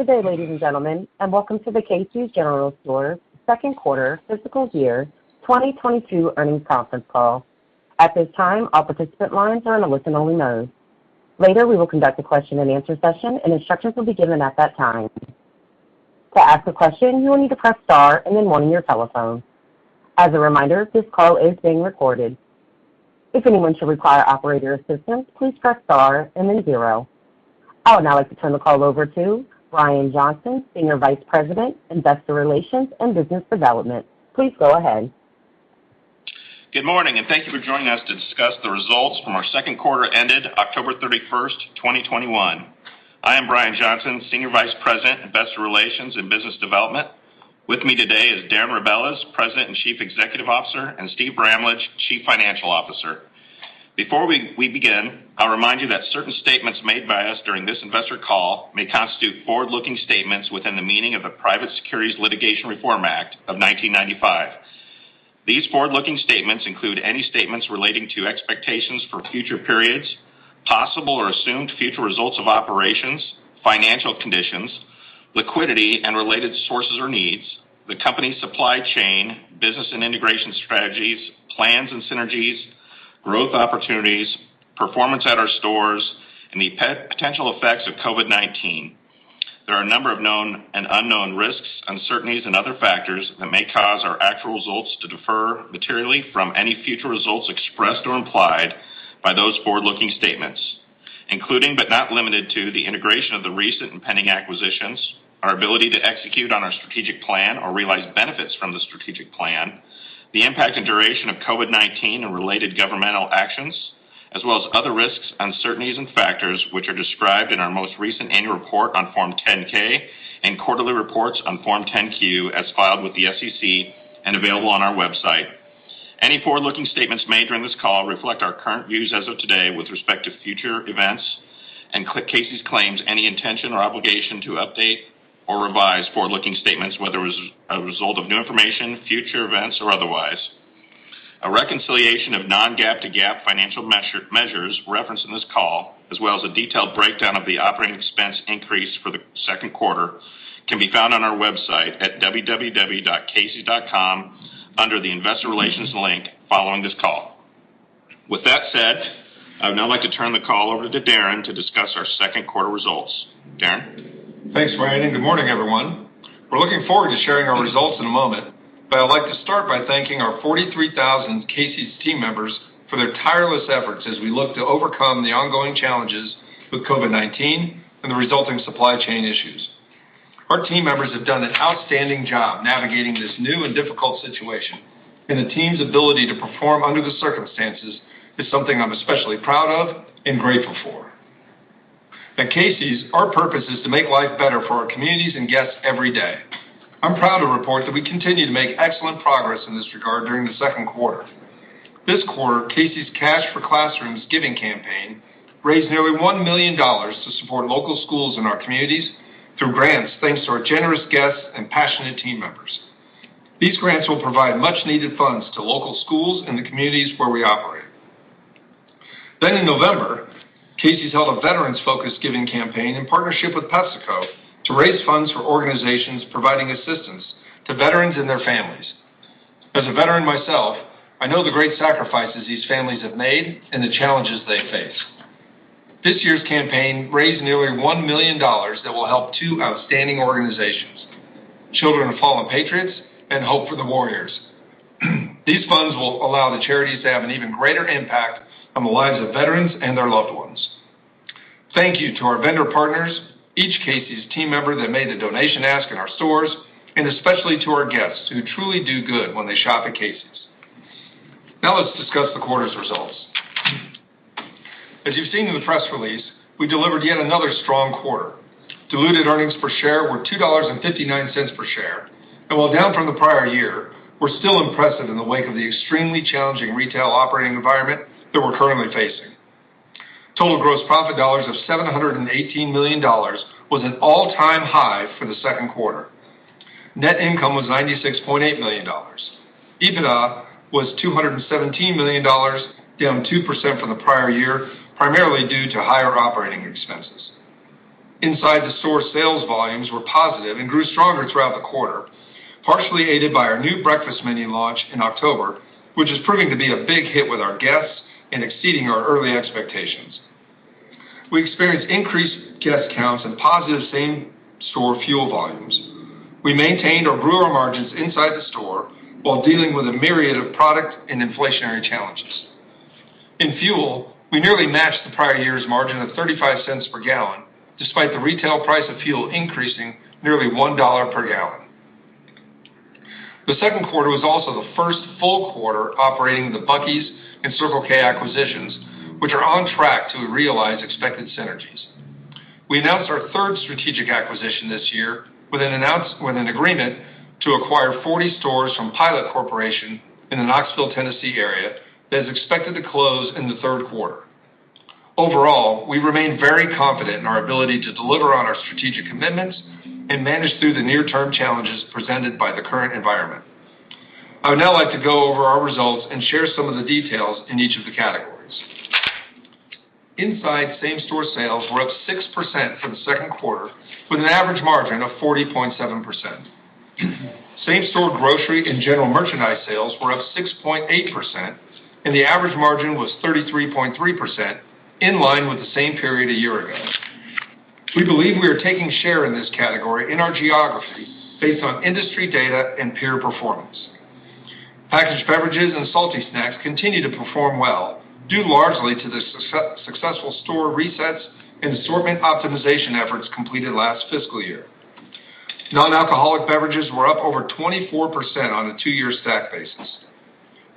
Good day, ladies, and gentlemen, and welcome to the Casey's General Stores Second Quarter Fiscal Year 2022 Earnings Conference Call. At this time, all participant lines are on a listen only mode. Later, we will conduct a question-and-answer session and instructions will be given at that time. To ask a question, you will need to press star and then one on your telephone. As a reminder, this call is being recorded. If anyone should require operator assistance, please press star and then zero. I would now like to turn the call over to Brian Johnson, Senior Vice President, Investor Relations and Business Development. Please go ahead. Good morning, and thank you for joining us to discuss the results from our second quarter ended October 31st, 2021. I am Brian Johnson, Senior Vice President, Investor Relations and Business Development. With me today is Darren Rebelez, President and Chief Executive Officer, and Steve Bramlage, Chief Financial Officer. Before we begin, I'll remind you that certain statements made by us during this investor call may constitute forward-looking statements within the meaning of the Private Securities Litigation Reform Act of 1995. These forward-looking statements include any statements relating to expectations for future periods, possible or assumed future results of operations, financial conditions, liquidity and related sources or needs, the company's supply chain, business and integration strategies, plans and synergies, growth opportunities, performance at our stores, and the potential effects of COVID-19. There are a number of known and unknown risks, uncertainties and other factors that may cause our actual results to differ materially from any future results expressed or implied by those forward-looking statements, including, but not limited to the integration of the recent and pending acquisitions, our ability to execute on our strategic plan or realize benefits from the strategic plan, the impact and duration of COVID-19 and related governmental actions, as well as other risks, uncertainties and factors which are described in our most recent annual report on Form 10-K and quarterly reports on Form 10-Q as filed with the SEC and available on our website. Any forward-looking statements made during this call reflect our current views as of today with respect to future events and Casey's disclaims any intention or obligation to update or revise forward-looking statements, whether as a result of new information, future events or otherwise. A reconciliation of non-GAAP to GAAP financial measures referenced in this call, as well as a detailed breakdown of the operating expense increase for the second quarter, can be found on our website at www.caseys.com under the Investor Relations link following this call. With that said, I'd now like to turn the call over to Darren to discuss our second quarter results. Darren. Thanks, Brian, and good morning, everyone. We're looking forward to sharing our results in a moment, but I'd like to start by thanking our 43,000 Casey's team members for their tireless efforts as we look to overcome the ongoing challenges with COVID-19 and the resulting supply chain issues. Our team members have done an outstanding job navigating this new and difficult situation, and the team's ability to perform under the circumstances is something I'm especially proud of and grateful for. At Casey's, our purpose is to make life better for our communities and guests every day. I'm proud to report that we continue to make excellent progress in this regard during the second quarter. This quarter, Casey's Cash for Classrooms giving campaign raised nearly $1 million to support local schools in our communities through grants, thanks to our generous guests and passionate team members. These grants will provide much-needed funds to local schools in the communities where we operate. In November, Casey's held a veterans-focused giving campaign in partnership with PepsiCo to raise funds for organizations providing assistance to veterans and their families. As a veteran myself, I know the great sacrifices these families have made and the challenges they face. This year's campaign raised nearly $1 million that will help two outstanding organizations, Children of Fallen Patriots and Hope For The Warriors. These funds will allow the charities to have an even greater impact on the lives of veterans and their loved ones. Thank you to our vendor partners, each Casey's team member that made a donation ask in our stores, and especially to our guests who truly do good when they shop at Casey's. Now let's discuss the quarter's results. As you've seen in the press release, we delivered yet another strong quarter. Diluted earnings per share were $2.59 per share. While down from the prior year, we're still impressive in the wake of the extremely challenging retail operating environment that we're currently facing. Total gross profit dollars of $718 million was an all-time high for the second quarter. Net income was $96.8 million. EBITDA was $217 million, down 2% from the prior year, primarily due to higher operating expenses. Inside the store, sales volumes were positive and grew stronger throughout the quarter, partially aided by our new breakfast menu launch in October, which is proving to be a big hit with our guests and exceeding our early expectations. We experienced increased guest counts and positive same-store fuel volumes. We maintained our gross margins inside the store while dealing with a myriad of product and inflationary challenges. In fuel, we nearly matched the prior year's margin of $0.35/gal, despite the retail price of fuel increasing nearly $1/gal. The second quarter was also the first full quarter operating the Bucky's and Circle K acquisitions, which are on track to realize expected synergies. We announced our third strategic acquisition this year with an agreement to acquire 40 stores from Pilot Corporation in the Knoxville, Tennessee area that is expected to close in the third quarter. Overall, we remain very confident in our ability to deliver on our strategic commitments and manage through the near-term challenges presented by the current environment. I would now like to go over our results and share some of the details in each of the categories. Inside same-store sales were up 6% for the second quarter, with an average margin of 40.7%. Same-store grocery and general merchandise sales were up 6.8%, and the average margin was 33.3%, in line with the same period a year ago. We believe we are taking share in this category in our geography based on industry data and peer performance. Packaged beverages and salty snacks continue to perform well due largely to the successful store resets and assortment optimization efforts completed last fiscal year. Nonalcoholic beverages were up over 24% on a two-year stack basis.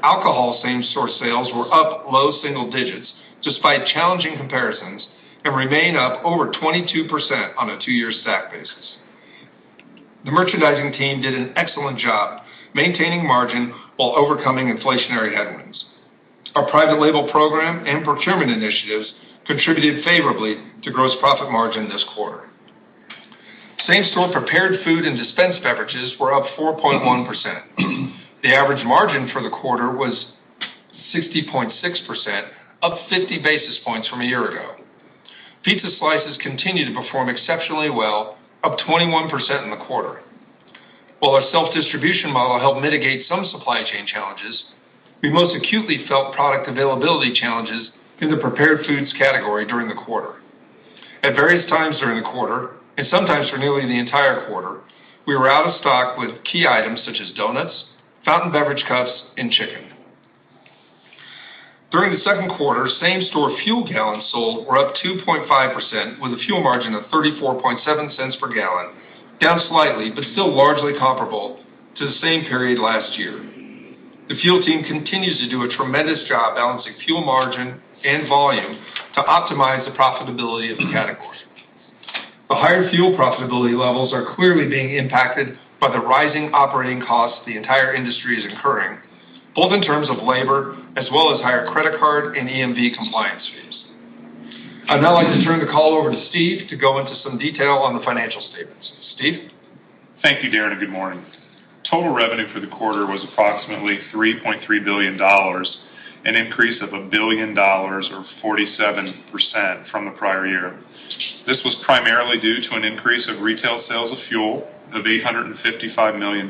Alcohol same-store sales were up low single digits despite challenging comparisons and remain up over 22% on a two-year stack basis. The merchandising team did an excellent job maintaining margin while overcoming inflationary headwinds. Our private label program and procurement initiatives contributed favorably to gross profit margin this quarter. Same-store Prepared Food and Dispensed Beverages were up 4.1%. The average margin for the quarter was 60.6%, up 50 basis points from a year ago. Pizza slices continue to perform exceptionally well, up 21% in the quarter. While our self-distribution model helped mitigate some supply chain challenges, we most acutely felt product availability challenges in the Prepared Foods category during the quarter. At various times during the quarter, and sometimes for nearly the entire quarter, we were out of stock with key items such as donuts, fountain beverage cups, and chicken. During the second quarter, same-store fuel gallons sold were up 2.5%, with a fuel margin of $0.347/gal, down slightly but still largely comparable to the same period last year. The fuel team continues to do a tremendous job balancing fuel margin and volume to optimize the profitability of the category. The higher fuel profitability levels are clearly being impacted by the rising operating costs the entire industry is incurring, both in terms of labor as well as higher credit card and EMV compliance fees. I'd now like to turn the call over to Steve to go into some detail on the financial statements. Steve. Thank you, Darren, and good morning. Total revenue for the quarter was approximately $3.3 billion, an increase of $1 billion or 47% from the prior year. This was primarily due to an increase of retail sales of fuel of $855 million,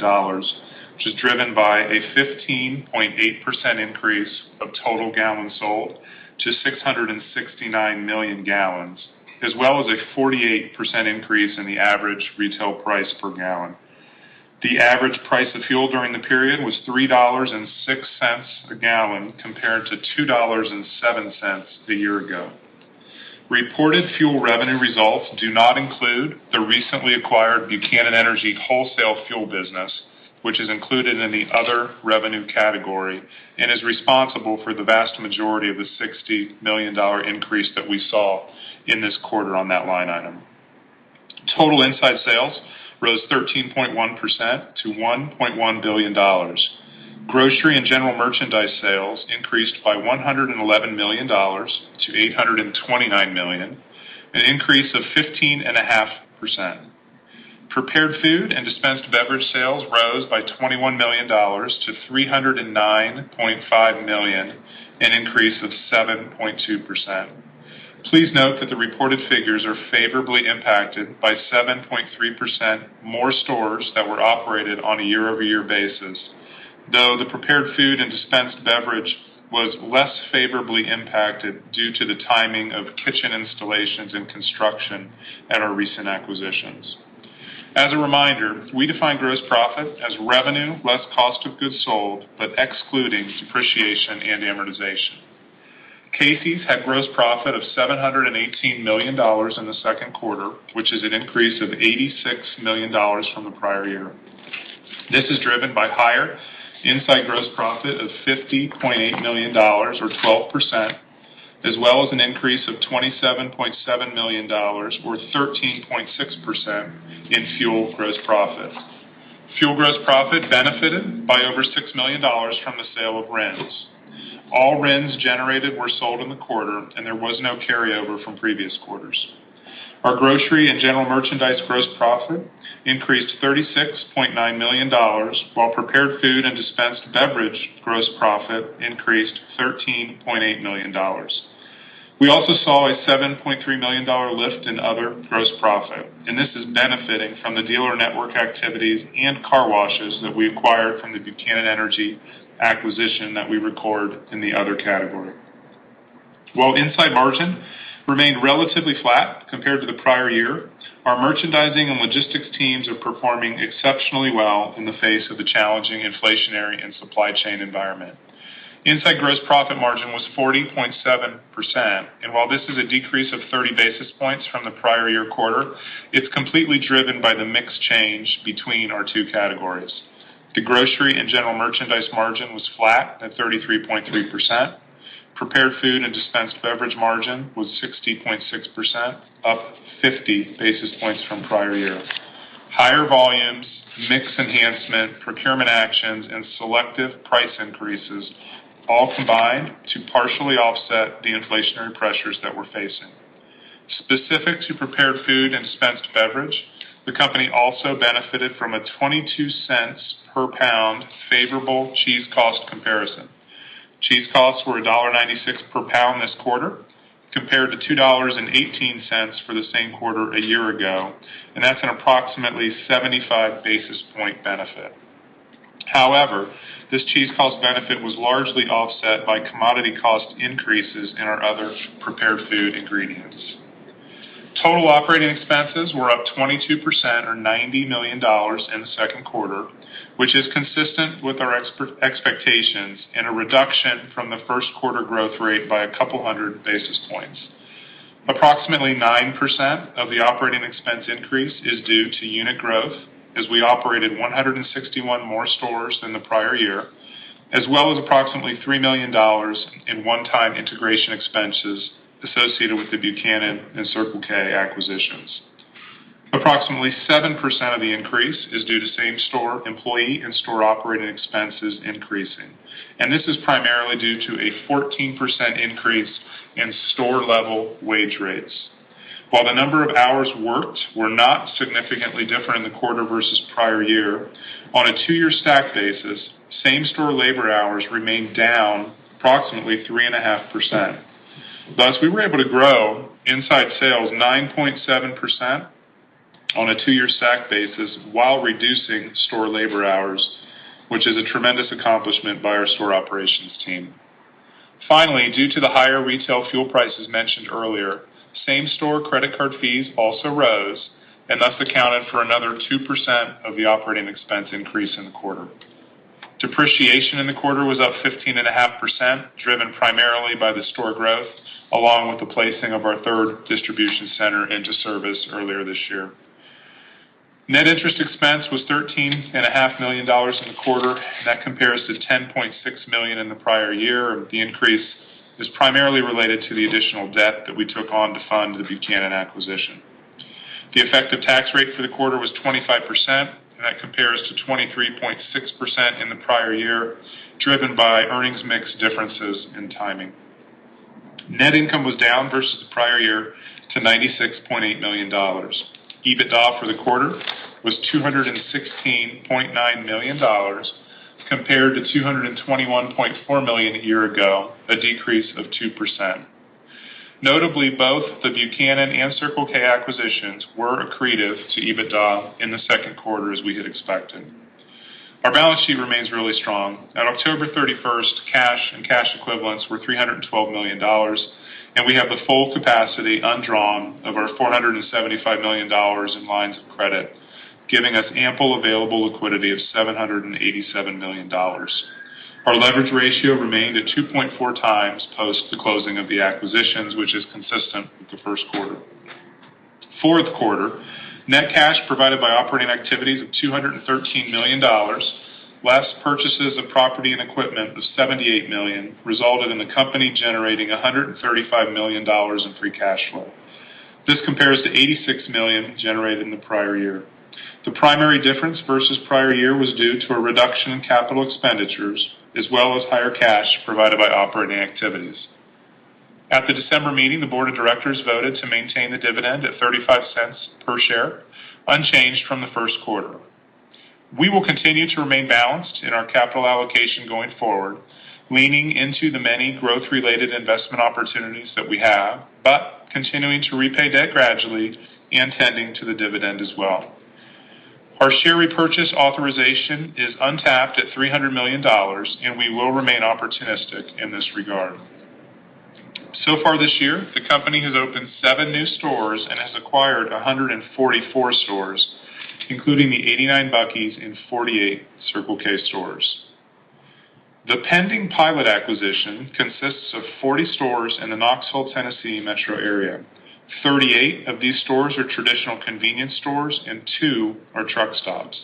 which is driven by a 15.8% increase of total gallons sold to 669 million gallons, as well as a 48% increase in the average retail price per gallon. The average price of fuel during the period was $3.06/gal, compared to $2.07 a year ago. Reported fuel revenue results do not include the recently acquired Buchanan Energy wholesale fuel business, which is included in the other revenue category and is responsible for the vast majority of the $60 million increase that we saw in this quarter on that line item. Total inside sales rose 13.1% to $1.1 billion. Grocery and General Merchandise sales increased by $111 million to $829 million, an increase of 15.5%. Prepared Food and Dispensed Beverage sales rose by $21 million to $309.5 million, an increase of 7.2%. Please note that the reported figures are favorably impacted by 7.3% more stores that were operated on a year-over-year basis, though the Prepared Food and Dispensed Beverage was less favorably impacted due to the timing of kitchen installations and construction at our recent acquisitions. As a reminder, we define gross profit as revenue less cost of goods sold, but excluding depreciation and amortization. Casey's had gross profit of $718 million in the second quarter, which is an increase of $86 million from the prior year. This is driven by higher inside gross profit of $50.8 million or 12%, as well as an increase of $27.7 million or 13.6% in fuel gross profit. Fuel gross profit benefited by over $6 million from the sale of RINs. All RINs generated were sold in the quarter, and there was no carryover from previous quarters. Our grocery and general merchandise gross profit increased $36.9 million, while Prepared Food and Dispensed Beverage gross profit increased $13.8 million. We also saw a $7.3 million lift in other gross profit, and this is benefiting from the dealer network activities and car washes that we acquired from the Buchanan Energy acquisition that we record in the other category. While inside margin remained relatively flat compared to the prior year, our merchandising and logistics teams are performing exceptionally well in the face of the challenging inflationary and supply chain environment. Inside gross profit margin was 40.7%. While this is a decrease of 30 basis points from the prior year quarter, it's completely driven by the mix change between our two categories. The grocery and general merchandise margin was flat at 33.3%. Prepared food and Dispensed Beverage margin was 60.6%, up 50 basis points from prior year. Higher volumes, mix enhancement, procurement actions, and selective price increases all combined to partially offset the inflationary pressures that we're facing. Specific to Prepared Food and Dispensed Beverage, the company also benefited from a $0.22/lb favorable cheese cost comparison. Cheese costs were $1.96/lb this quarter, compared to $2.18 for the same quarter a year ago, and that's an approximately 75 basis point benefit. However, this cheese cost benefit was largely offset by commodity cost increases in our other Prepared Food ingredients. Total operating expenses were up 22% or $90 million in the second quarter, which is consistent with our expectations and a reduction from the first quarter growth rate by a couple hundred basis points. Approximately 9% of the operating expense increase is due to unit growth as we operated 161 more stores than the prior year, as well as approximately $3 million in one-time integration expenses associated with the Buchanan and Circle K acquisitions. Approximately 7% of the increase is due to same-store employee and store operating expenses increasing. This is primarily due to a 14% increase in store-level wage rates. While the number of hours worked were not significantly different in the quarter versus prior year, on a two-year stack basis, same-store labor hours remained down approximately 3.5%. Thus, we were able to grow inside sales 9.7% on a two-year stack basis while reducing store labor hours, which is a tremendous accomplishment by our store operations team. Finally, due to the higher retail fuel prices mentioned earlier, same store credit card fees also rose and thus accounted for another 2% of the operating expense increase in the quarter. Depreciation in the quarter was up 15.5%, driven primarily by the store growth, along with the placing of our third distribution center into service earlier this year. Net interest expense was $13.5 million in the quarter, and that compares to $10.6 million in the prior year. The increase is primarily related to the additional debt that we took on to fund the Buchanan acquisition. The effective tax rate for the quarter was 25%, and that compares to 23.6% in the prior year, driven by earnings mix differences and timing. Net income was down versus the prior year to $96.8 million. EBITDA for the quarter was $216.9 million compared to $221.4 million a year ago, a decrease of 2%. Notably, both the Buchanan and Circle K acquisitions were accretive to EBITDA in the second quarter as we had expected. Our balance sheet remains really strong. At October 31st, cash and cash equivalents were $312 million, and we have the full capacity undrawn of our $475 million in lines of credit, giving us ample available liquidity of $787 million. Our leverage ratio remained at 2.4x post the closing of the acquisitions, which is consistent with the first quarter. Fourth quarter net cash provided by operating activities of $213 million, less purchases of property and equipment of $78 million, resulted in the company generating $135 million in free cash flow. This compares to $86 million generated in the prior year. The primary difference versus prior year was due to a reduction in capital expenditures as well as higher cash provided by operating activities. At the December meeting, the Board of Directors voted to maintain the dividend at $0.35 per share, unchanged from the first quarter. We will continue to remain balanced in our capital allocation going forward, leaning into the many growth-related investment opportunities that we have, but continuing to repay debt gradually and tending to the dividend as well. Our share repurchase authorization is untapped at $300 million, and we will remain opportunistic in this regard. So far this year, the company has opened seven new stores and has acquired 144 stores, including the 89 Bucky's and 48 Circle K stores. The pending Pilot acquisition consists of 40 stores in the Knoxville, Tennessee metro area. 38 of these stores are traditional convenience stores and two are truck stops.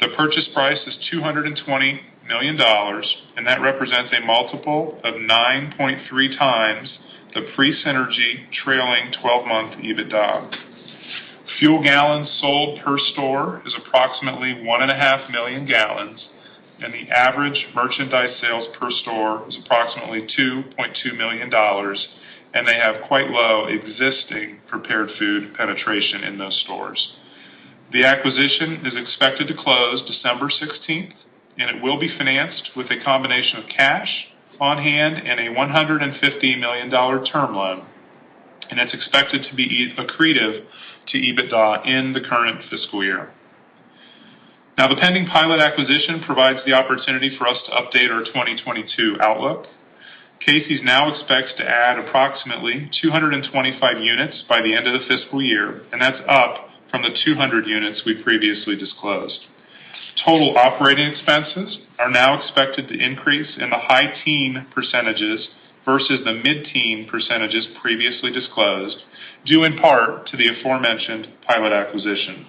The purchase price is $220 million, and that represents a multiple of 9.3x the pre-synergy trailing 12-month EBITDA. Fuel gallons sold per store is approximately 1.5 million gal, and the average merchandise sales per store is approximately $2.2 million, and they have quite low existing Prepared Food penetration in those stores. The acquisition is expected to close December 16th, and it will be financed with a combination of cash on hand and a $150 million term loan, and it's expected to be accretive to EBITDA in the current fiscal year. Now, the pending Pilot acquisition provides the opportunity for us to update our 2022 outlook. Casey's now expects to add approximately 225 units by the end of the fiscal year, and that's up from the 200 units we previously disclosed. Total operating expenses are now expected to increase in the high-teen percentages versus the mid-teen percentages previously disclosed, due in part to the aforementioned Pilot acquisition.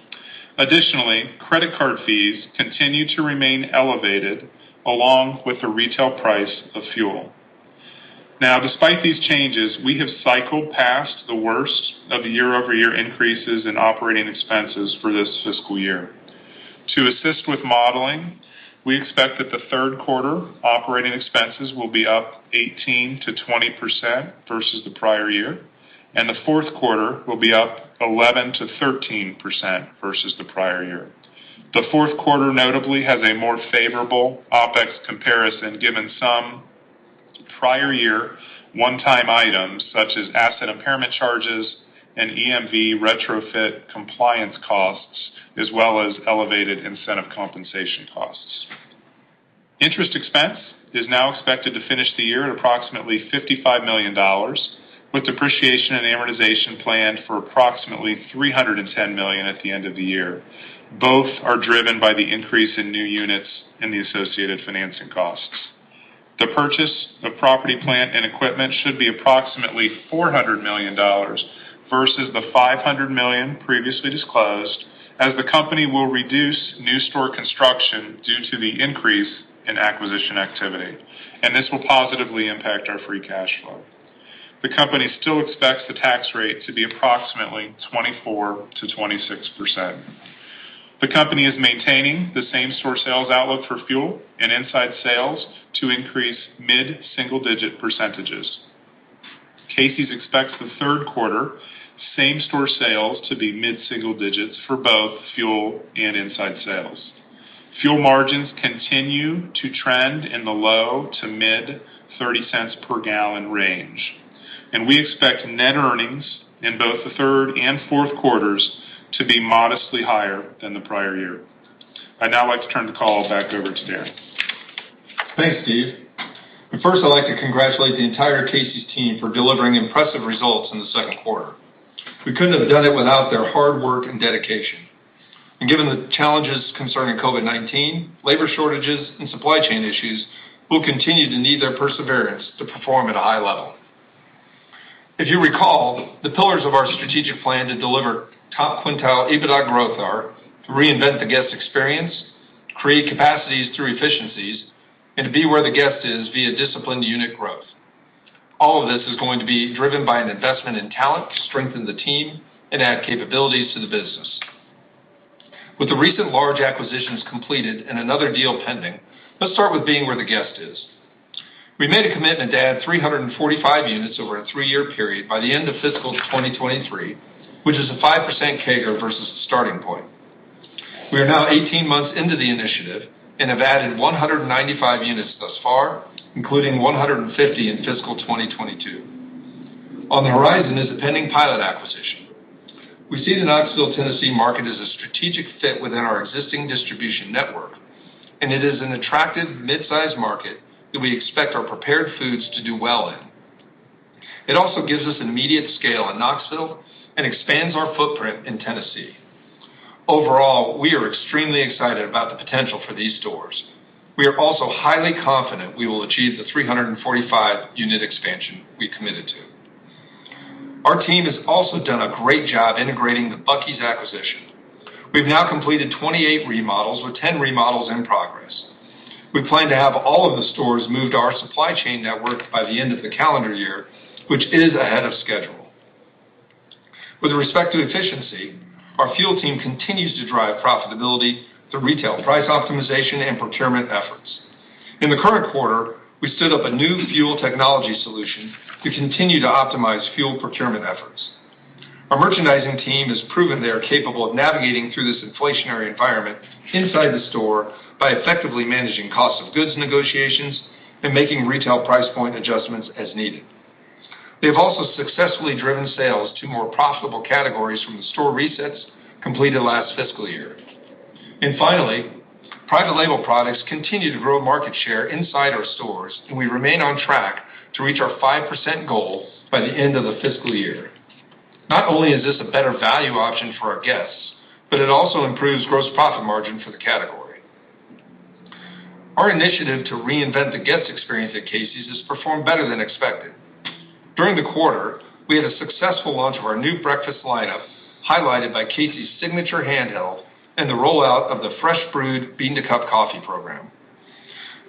Additionally, credit card fees continue to remain elevated along with the retail price of fuel. Now, despite these changes, we have cycled past the worst of the year-over-year increases in operating expenses for this fiscal year. To assist with modeling, we expect that the third quarter operating expenses will be up 18%-20% versus the prior year, and the fourth quarter will be up 11%-13% versus the prior year. The fourth quarter notably has a more favorable OpEx comparison, given some prior year one-time items, such as asset impairment charges and EMV retrofit compliance costs, as well as elevated incentive compensation costs. Interest expense is now expected to finish the year at approximately $55 million, with depreciation and amortization planned for approximately $310 million at the end of the year. Both are driven by the increase in new units and the associated financing costs. The purchase of property, plant, and equipment should be approximately $400 million versus the $500 million previously disclosed, as the company will reduce new store construction due to the increase in acquisition activity, and this will positively impact our free cash flow. The company still expects the tax rate to be approximately 24%-26%. The company is maintaining the same-store sales outlook for fuel and inside sales to increase mid-single-digit percentages. Casey's expects the third quarter same-store sales to be mid-single digits for both fuel and inside sales. Fuel margins continue to trend in the low- to mid-$0.30/gal range. We expect net earnings in both the third and fourth quarters to be modestly higher than the prior year. I'd now like to turn the call back over to Darren. Thanks, Steve. First, I'd like to congratulate the entire Casey's team for delivering impressive results in the second quarter. We couldn't have done it without their hard work and dedication. Given the challenges concerning COVID-19, labor shortages, and supply chain issues, we'll continue to need their perseverance to perform at a high level. If you recall, the pillars of our strategic plan to deliver top-quintile EBITDA growth are reinvent the guest experience, create capacities through efficiencies, and be where the guest is via disciplined unit growth. All of this is going to be driven by an investment in talent to strengthen the team and add capabilities to the business. With the recent large acquisitions completed and another deal pending, let's start with being where the guest is. We made a commitment to add 345 units over a three-year period by the end of fiscal 2023, which is a 5% CAGR versus the starting point. We are now 18 months into the initiative and have added 195 units thus far, including 150 in fiscal 2022. On the horizon is a pending Pilot acquisition. We see the Knoxville, Tennessee market as a strategic fit within our existing distribution network, and it is an attractive midsize market that we expect our Prepared Foods to do well in. It also gives us an immediate scale in Knoxville and expands our footprint in Tennessee. Overall, we are extremely excited about the potential for these stores. We are also highly confident we will achieve the 345 unit expansion we committed to. Our team has also done a great job integrating the Bucky's acquisition. We've now completed 28 remodels, with 10 remodels in progress. We plan to have all of the stores moved to our supply chain network by the end of the calendar year, which is ahead of schedule. With respect to efficiency, our fuel team continues to drive profitability through retail price optimization and procurement efforts. In the current quarter, we stood up a new fuel technology solution to continue to optimize fuel procurement efforts. Our merchandising team has proven they are capable of navigating through this inflationary environment inside the store by effectively managing cost of goods negotiations and making retail price point adjustments as needed. They have also successfully driven sales to more profitable categories from the store resets completed last fiscal year. Finally, private label products continue to grow market share inside our stores, and we remain on track to reach our 5% goal by the end of the fiscal year. Not only is this a better value option for our guests, but it also improves gross profit margin for the category. Our initiative to reinvent the guest experience at Casey's has performed better than expected. During the quarter, we had a successful launch of our new breakfast lineup, highlighted by Casey's Signature Handheld and the rollout of the fresh-brewed bean-to-cup coffee program.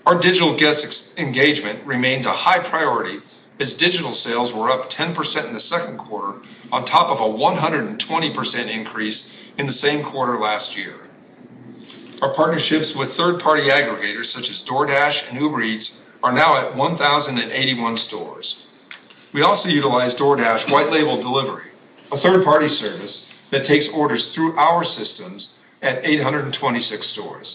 Our digital guest engagement remains a high priority as digital sales were up 10% in the second quarter on top of a 120% increase in the same quarter last year. Our partnerships with third-party aggregators such as DoorDash and Uber Eats are now at 1,081 stores. We also utilize DoorDash white label delivery, a third-party service that takes orders through our systems at 826 stores.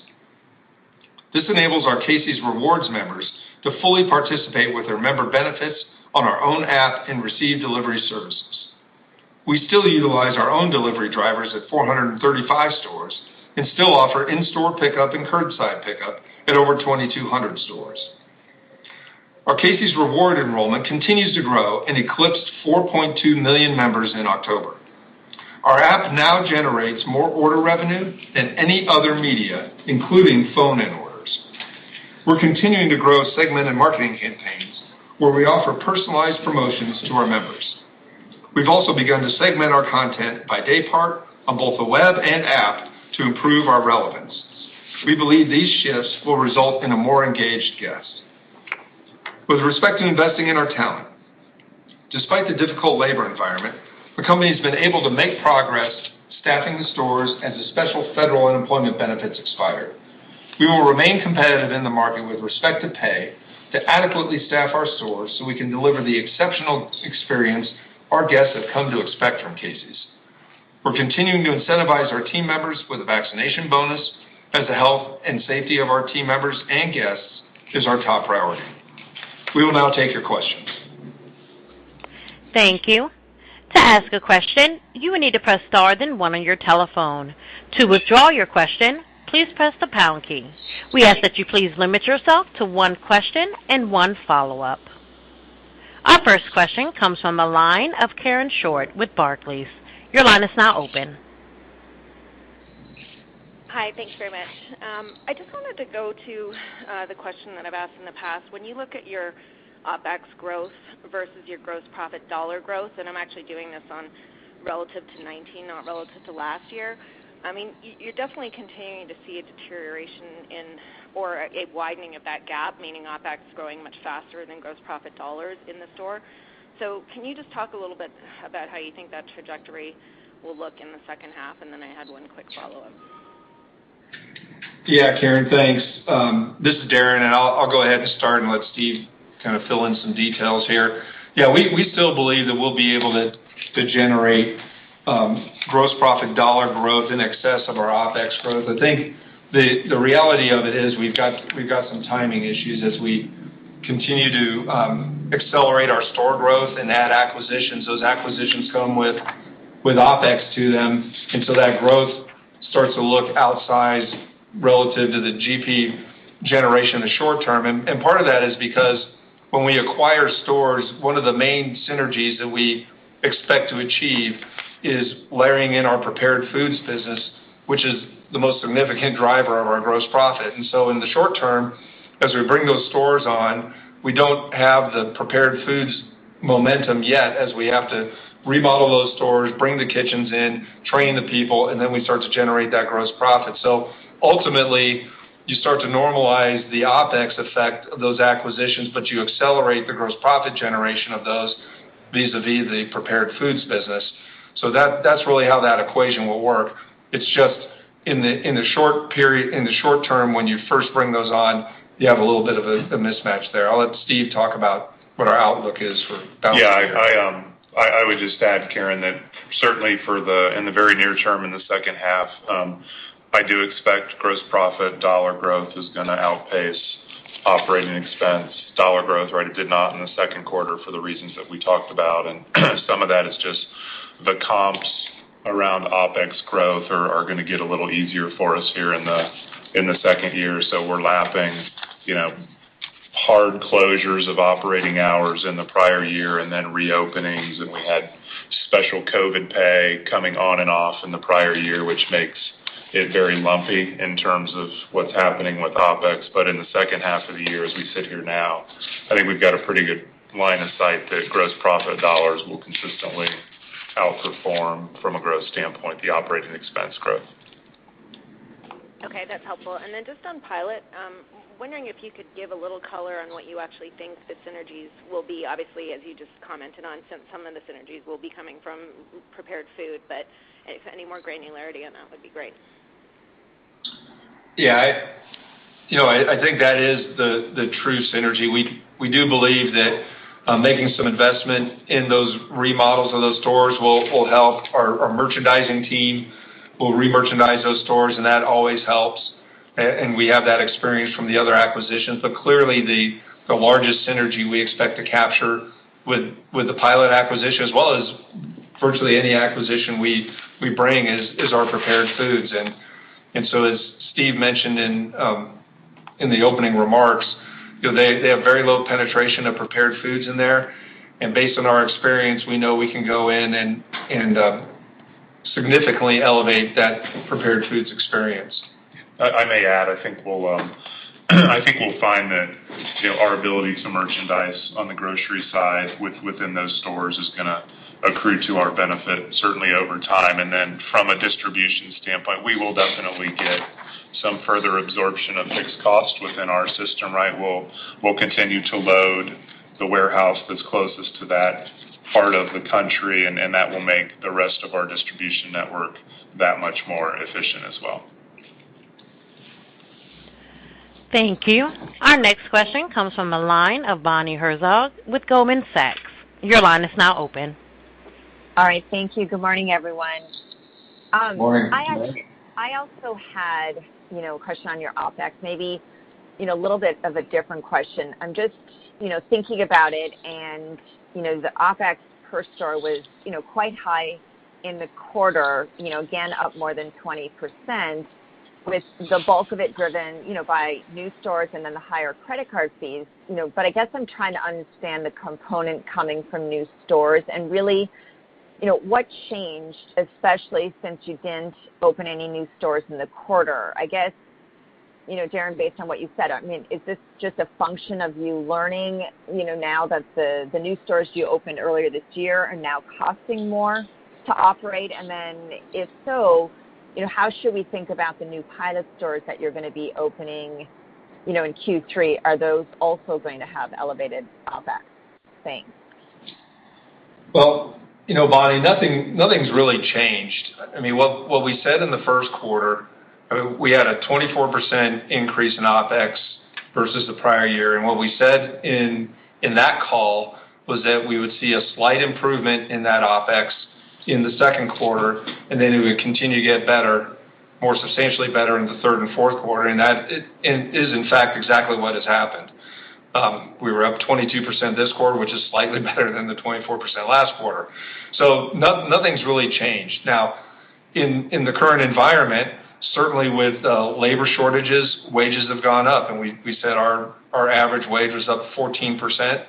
This enables our Casey's Rewards members to fully participate with their member benefits on our own app and receive delivery services. We still utilize our own delivery drivers at 435 stores and still offer in-store pickup and curbside pickup at over 2,200 stores. Our Casey's Rewards enrollment continues to grow and eclipsed 4.2 million members in October. Our app now generates more order revenue than any other media, including phone-in orders. We're continuing to grow segmented marketing campaigns where we offer personalized promotions to our members. We've also begun to segment our content by daypart on both the web and app to improve our relevance. We believe these shifts will result in a more engaged guest. With respect to investing in our talent, despite the difficult labor environment, the company has been able to make progress staffing the stores as the special federal unemployment benefits expire. We will remain competitive in the market with respect to pay to adequately staff our stores, so we can deliver the exceptional experience our guests have come to expect from Casey's. We're continuing to incentivize our team members with a vaccination bonus as the health and safety of our team members and guests is our top priority. We will now take your questions. Thank you. To ask a question, you will need to press star, then one on your telephone. To withdraw your question, please press the pound key. We ask that you please limit yourself to one question and one follow-up. Our first question comes from the line of Karen Short with Barclays. Your line is now open. Hi. Thank you very much. I just wanted to go to the question that I've asked in the past. When you look at your OpEx growth versus your gross profit dollar growth, and I'm actually doing this on relative to 2019, not relative to last year, I mean, you're definitely continuing to see a deterioration in or a widening of that gap, meaning OpEx growing much faster than gross profit dollars in the store. Can you just talk a little bit about how you think that trajectory will look in the second half, and then I had one quick follow-up. Yeah, Karen, thanks. This is Darren, and I'll go ahead and start and let Steve kind of fill in some details here. Yeah, we still believe that we'll be able to generate gross profit dollar growth in excess of our OpEx growth. I think the reality of it is we've got some timing issues as we continue to accelerate our store growth and add acquisitions. Those acquisitions come with OpEx to them, and so that growth starts to look outsized relative to the GP generation in the short term. Part of that is because when we acquire stores, one of the main synergies that we expect to achieve is layering in our Prepared Foods business, which is the most significant driver of our gross profit. In the short term, as we bring those stores on, we don't have the Prepared Foods momentum yet as we have to remodel those stores, bring the kitchens in, train the people, and then we start to generate that gross profit. Ultimately, you start to normalize the OpEx effect of those acquisitions, but you accelerate the gross profit generation of those vis-a-vis the Prepared Foods business. That, that's really how that equation will work. It's just in the short term, when you first bring those on, you have a little bit of a mismatch there. I'll let Steve talk about what our outlook is for balance here. Yeah, I would just add, Karen, that certainly in the very near term, in the second half, I do expect gross profit dollar growth is gonna outpace operating expense dollar growth, right? It did not in the second quarter for the reasons that we talked about. Some of that is just the comps around OpEx growth are gonna get a little easier for us here in the second year. We're lapping, you know, hard closures of operating hours in the prior year and then reopenings, and we had special COVID pay coming on and off in the prior year, which makes it very lumpy in terms of what's happening with OpEx. In the second half of the year, as we sit here now, I think we've got a pretty good line of sight that gross profit dollars will consistently outperform from a growth standpoint, the operating expense growth. Okay, that's helpful. Just on Pilot, wondering if you could give a little color on what you actually think the synergies will be. Obviously, as you just commented on some of the synergies will be coming from Prepared Food, but if any more granularity on that would be great. Yeah, you know, I think that is the true synergy. We do believe that making some investment in those remodels of those stores will help our merchandising team. We'll remerchandise those stores, and that always helps. We have that experience from the other acquisitions. Clearly, the largest synergy we expect to capture with the Pilot acquisition, as well as virtually any acquisition we bring is our Prepared Foods. As Steve mentioned in the opening remarks, you know, they have very low penetration of Prepared Foods in there. Based on our experience, we know we can go in and significantly elevate that Prepared Foods experience. I may add, I think we'll find that, you know, our ability to merchandise on the grocery side within those stores is gonna accrue to our benefit, certainly over time. Then from a distribution standpoint, we will definitely get some further absorption of fixed cost within our system, right? We'll continue to load the warehouse that's closest to that part of the country, and that will make the rest of our distribution network that much more efficient as well. Thank you. Our next question comes from the line of Bonnie Herzog with Goldman Sachs. Your line is now open. All right. Thank you. Good morning, everyone. Morning. I also had, you know, a question on your OpEx, maybe, you know, a little bit of a different question. I'm just, you know, thinking about it, and, you know, the OpEx per store was, you know, quite high in the quarter, you know, again, up more than 20%, with the bulk of it driven, you know, by new stores and then the higher credit card fees. You know, I guess I'm trying to understand the component coming from new stores and really, you know, what changed, especially since you didn't open any new stores in the quarter? I guess, you know, Darren, based on what you said, I mean, is this just a function of you learning, you know, now that the new stores you opened earlier this year are now costing more to operate? If so, you know, how should we think about the new Pilot stores that you're gonna be opening, you know, in Q3? Are those also going to have elevated OpEx? Thanks. Well, you know, Bonnie, nothing's really changed. I mean, what we said in the first quarter, I mean, we had a 24% increase in OpEx versus the prior year. What we said in that call was that we would see a slight improvement in that OpEx in the second quarter, and then it would continue to get better, more substantially better in the third and fourth quarter. That is, in fact, exactly what has happened. We were up 22% this quarter, which is slightly better than the 24% last quarter. Nothing's really changed. Now, in the current environment, certainly with labor shortages, wages have gone up, and we said our average wage was up 14%,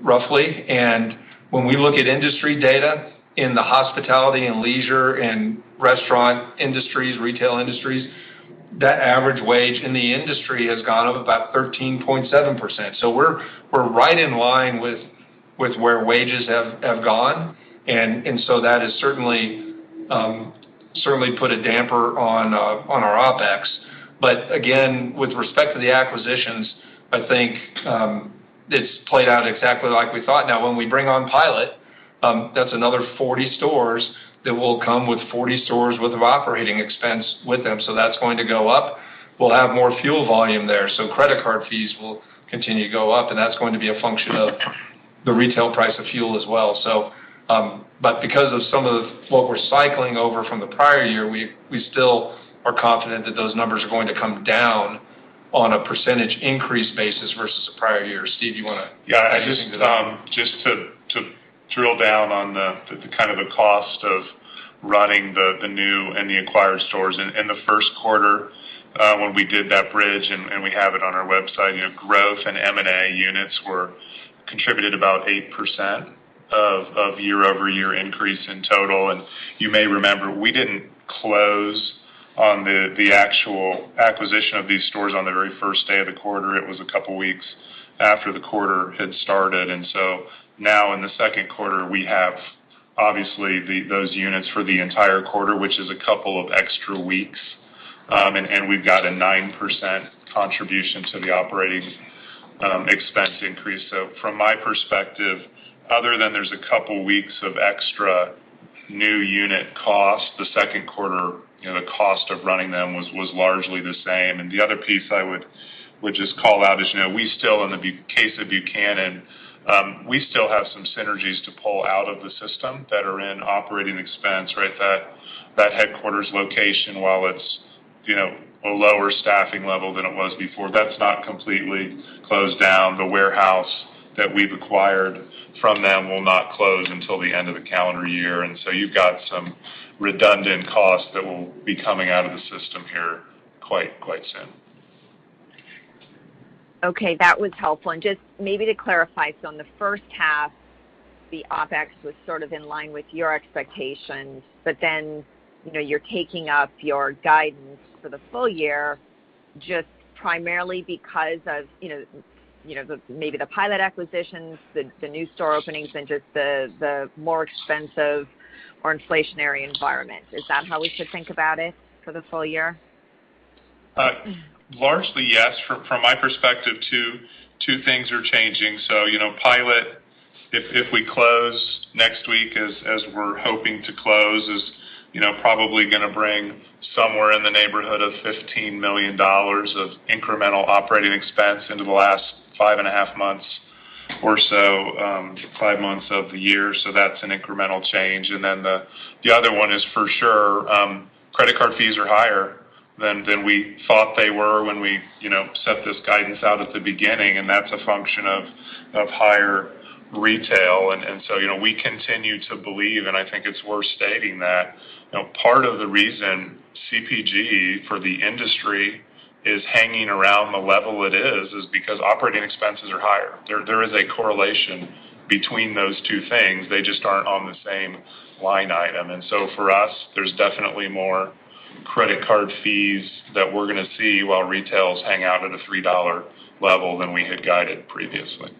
roughly. When we look at industry data in the hospitality and leisure and restaurant industries, retail industries, that average wage in the industry has gone up about 13.7%. We're right in line with where wages have gone. That has certainly put a damper on our OpEx. Again, with respect to the acquisitions, I think it's played out exactly like we thought. Now when we bring on Pilot, that's another 40 stores that will come with 40 stores worth of operating expense with them. That's going to go up. We'll have more fuel volume there, so credit card fees will continue to go up, and that's going to be a function of the retail price of fuel as well. Because of some of what we're cycling over from the prior year, we still are confident that those numbers are going to come down on a percentage increase basis versus the prior year. Steve, you wanna- Yeah. I just to drill down on the kind of the cost of running the new and the acquired stores. In the first quarter, when we did that bridge, and we have it on our website, you know, growth and M&A units contributed about 8% of year-over-year increase in total. You may remember, we didn't close on the actual acquisition of these stores on the very first day of the quarter. It was a couple weeks after the quarter had started. Now in the second quarter, we have obviously those units for the entire quarter, which is a couple of extra weeks. We've got a 9% contribution to the operating expense increase. From my perspective, other than there's a couple weeks of extra new unit cost, the second quarter, you know, the cost of running them was largely the same. The other piece I would just call out is, you know, we still in the case of Buchanan, we still have some synergies to pull out of the system that are in operating expense, right? That headquarters location, while it's, you know, a lower staffing level than it was before, that's not completely closed down. The warehouse that we've acquired from them will not close until the end of the calendar year. You've got some redundant costs that will be coming out of the system here quite soon. Okay, that was helpful. Just maybe to clarify, so on the first half, the OpEx was sort of in line with your expectations, but then, you know, you're taking up your guidance for the full year just primarily because of, you know, the maybe the Pilot acquisitions, the new store openings, and just the more expensive or inflationary environment. Is that how we should think about it for the full year? Largely, yes. From my perspective, two things are changing. You know, Pilot, if we close next week as we're hoping to close, is probably gonna bring somewhere in the neighborhood of $15 million of incremental operating expense into the last five and a half months or so, five months of the year. That's an incremental change. Then the other one is for sure, credit card fees are higher than we thought they were when we, you know, set this guidance out at the beginning, and that's a function of higher retail. You know, we continue to believe, and I think it's worth stating that, you know, part of the reason CPG for the industry is hanging around the level it is because operating expenses are higher. There is a correlation between those two things. They just aren't on the same line item. For us, there's definitely more credit card fees that we're gonna see while retail hangs out at a $3 level than we had guided previously.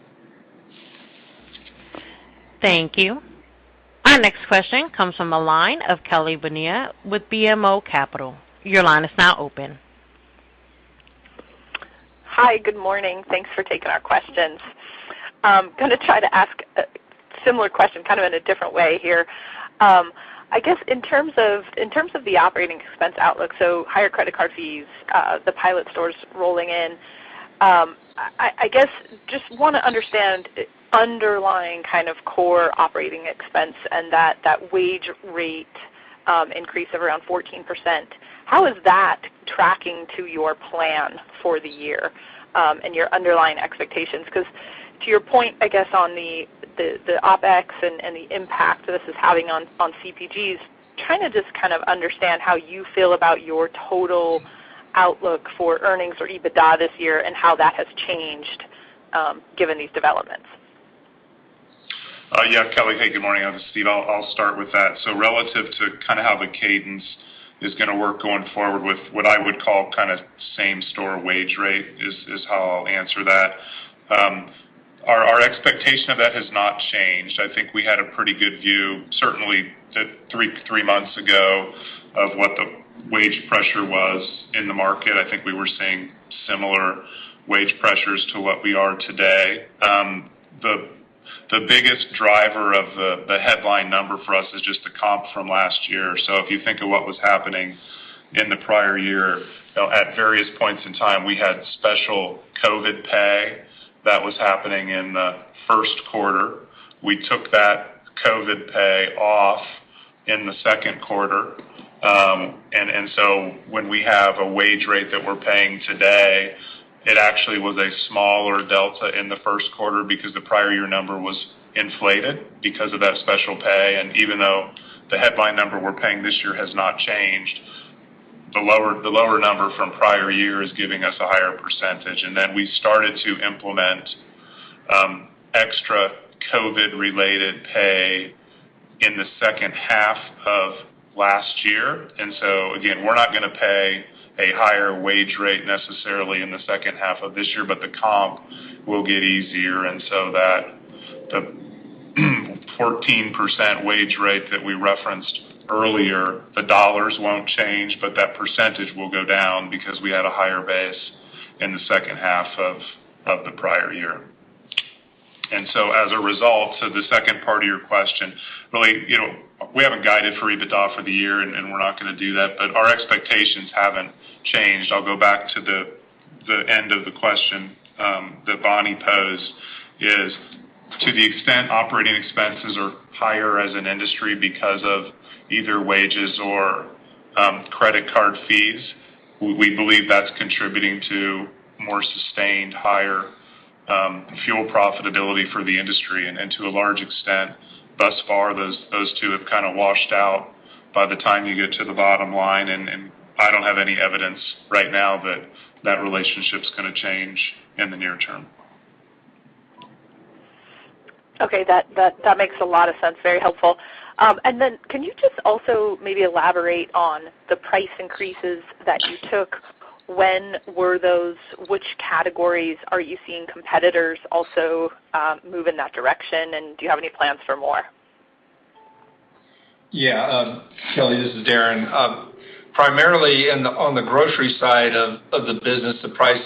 Thank you. Our next question comes from the line of Kelly Bania with BMO Capital Markets. Your line is now open. Hi, good morning. Thanks for taking our questions. Gonna try to ask a similar question kind of in a different way here. I guess in terms of the operating expense outlook, so higher credit card fees, the Pilot stores rolling in, I guess just wanna understand underlying kind of core operating expense and that wage rate increase of around 14%. How is that tracking to your plan for the year, and your underlying expectations? 'Cause to your point, I guess, on the OpEx and the impact this is having on CPGs, trying to just kind of understand how you feel about your total outlook for earnings or EBITDA this year and how that has changed, given these developments. Yeah. Kelly, hey, good morning. This is Steve. I'll start with that. Relative to kinda how the cadence is gonna work going forward with what I would call kinda same store wage rate is how I'll answer that. Our expectation of that has not changed. I think we had a pretty good view, certainly three months ago of what the wage pressure was in the market. I think we were seeing similar wage pressures to what we are today. The biggest driver of the headline number for us is just the comp from last year. If you think of what was happening in the prior year, you know, at various points in time, we had special COVID pay that was happening in the first quarter. We took that COVID pay off in the second quarter. When we have a wage rate that we're paying today, it actually was a smaller delta in the first quarter because the prior year number was inflated because of that special pay. Even though the headline number we're paying this year has not changed, the lower number from prior year is giving us a higher percentage. We started to implement extra COVID-related pay in the second half of last year. Again, we're not gonna pay a higher wage rate necessarily in the second half of this year, but the comp will get easier and so that the 14% wage rate that we referenced earlier, the dollars won't change, but that percentage will go down because we had a higher base in the second half of the prior year. As a result, the second part of your question, really, you know, we haven't guided for EBITDA for the year and we're not gonna do that, but our expectations haven't changed. I'll go back to the end of the question that Bonnie posed, is to the extent operating expenses are higher as an industry because of either wages or credit card fees, we believe that's contributing to more sustained higher fuel profitability for the industry. To a large extent, thus far, those two have kinda washed out by the time you get to the bottom line. I don't have any evidence right now that that relationship's gonna change in the near term. Okay. That makes a lot of sense. Very helpful. Then can you just also maybe elaborate on the price increases that you took? When were those? Which categories are you seeing competitors also move in that direction? And do you have any plans for more? Yeah. Kelly, this is Darren. Primarily on the grocery side of the business, the price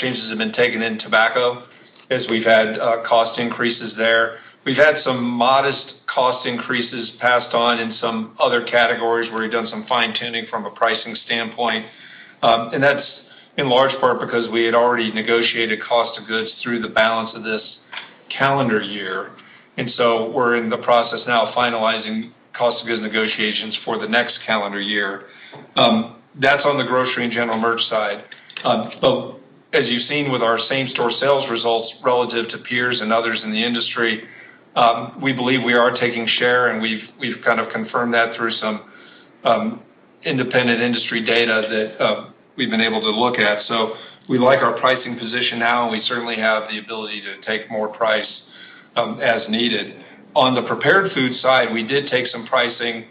changes have been taken in tobacco as we've had cost increases there. We've had some modest cost increases passed on in some other categories where we've done some fine-tuning from a pricing standpoint. That's in large part because we had already negotiated cost of goods through the balance of this calendar year. We're in the process now of finalizing cost of goods negotiations for the next calendar year. That's on the grocery and general merch side. As you've seen with our same-store sales results relative to peers and others in the industry, we believe we are taking share, and we've kind of confirmed that through some independent industry data that we've been able to look at. We like our pricing position now, and we certainly have the ability to take more price as needed. On the Prepared Food side, we did take some pricing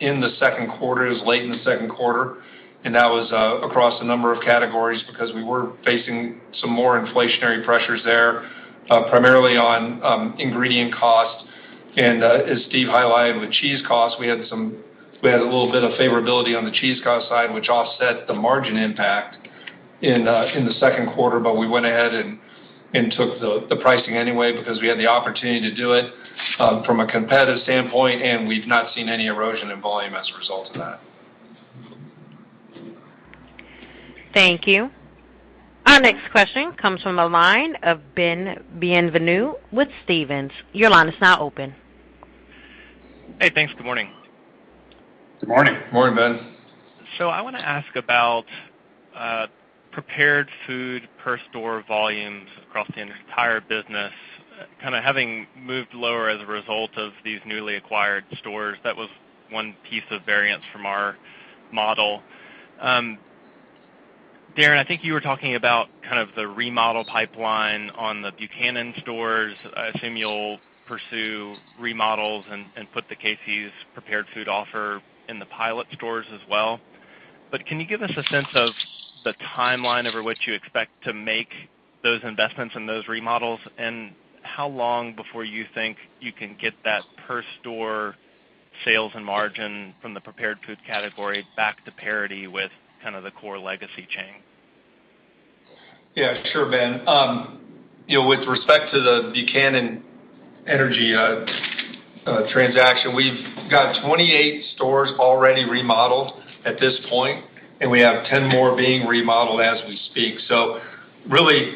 in the second quarter. It was late in the second quarter, and that was across a number of categories because we were facing some more inflationary pressures there, primarily on ingredient cost. As Steve highlighted with cheese costs, we had a little bit of favorability on the cheese cost side, which offset the margin impact in the second quarter, but we went ahead and took the pricing anyway because we had the opportunity to do it from a competitive standpoint, and we've not seen any erosion in volume as a result of that. Thank you. Our next question comes from the line of Ben Bienvenu with Stephens. Your line is now open. Hey, thanks. Good morning. Good morning. Good morning, Ben. I wanna ask about Prepared Food per store volumes across the entire business, kinda having moved lower as a result of these newly acquired stores. That was one piece of variance from our model. Darren, I think you were talking about kind of the remodel pipeline on the Buchanan stores. I assume you'll pursue remodels and put the Casey's Prepared Food offer in the Pilot stores as well. Can you give us a sense of the timeline over which you expect to make those investments and those remodels, and how long before you think you can get that per store sales and margin from the Prepared Food category back to parity with kind of the core legacy chain? Yeah, sure, Ben. You know, with respect to the Buchanan Energy transaction, we've got 28 stores already remodeled at this point, and we have 10 more being remodeled as we speak. Really,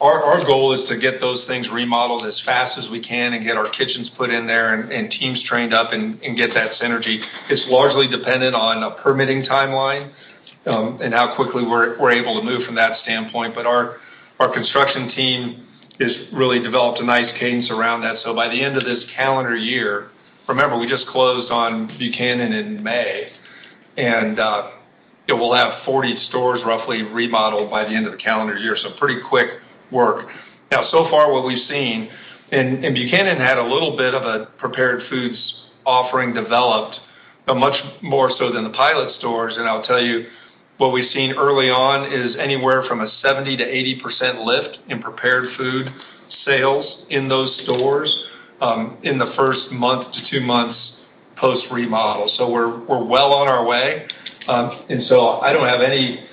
our goal is to get those things remodeled as fast as we can and get our kitchens put in there and teams trained up and get that synergy. It's largely dependent on a permitting timeline and how quickly we're able to move from that standpoint. Our construction team has really developed a nice cadence around that. By the end of this calendar year, remember, we just closed on Buchanan in May, and we'll have 40 stores roughly remodeled by the end of the calendar year, so pretty quick work. Now, so far what we've seen, and Buchanan had a little bit of a Prepared Foods offering developed, but much more so than the Pilot stores. I'll tell you What we've seen early on is anywhere from a 70%-80% lift in Prepared Food sales in those stores in the first month to two months post remodel. We're well on our way. I don't have any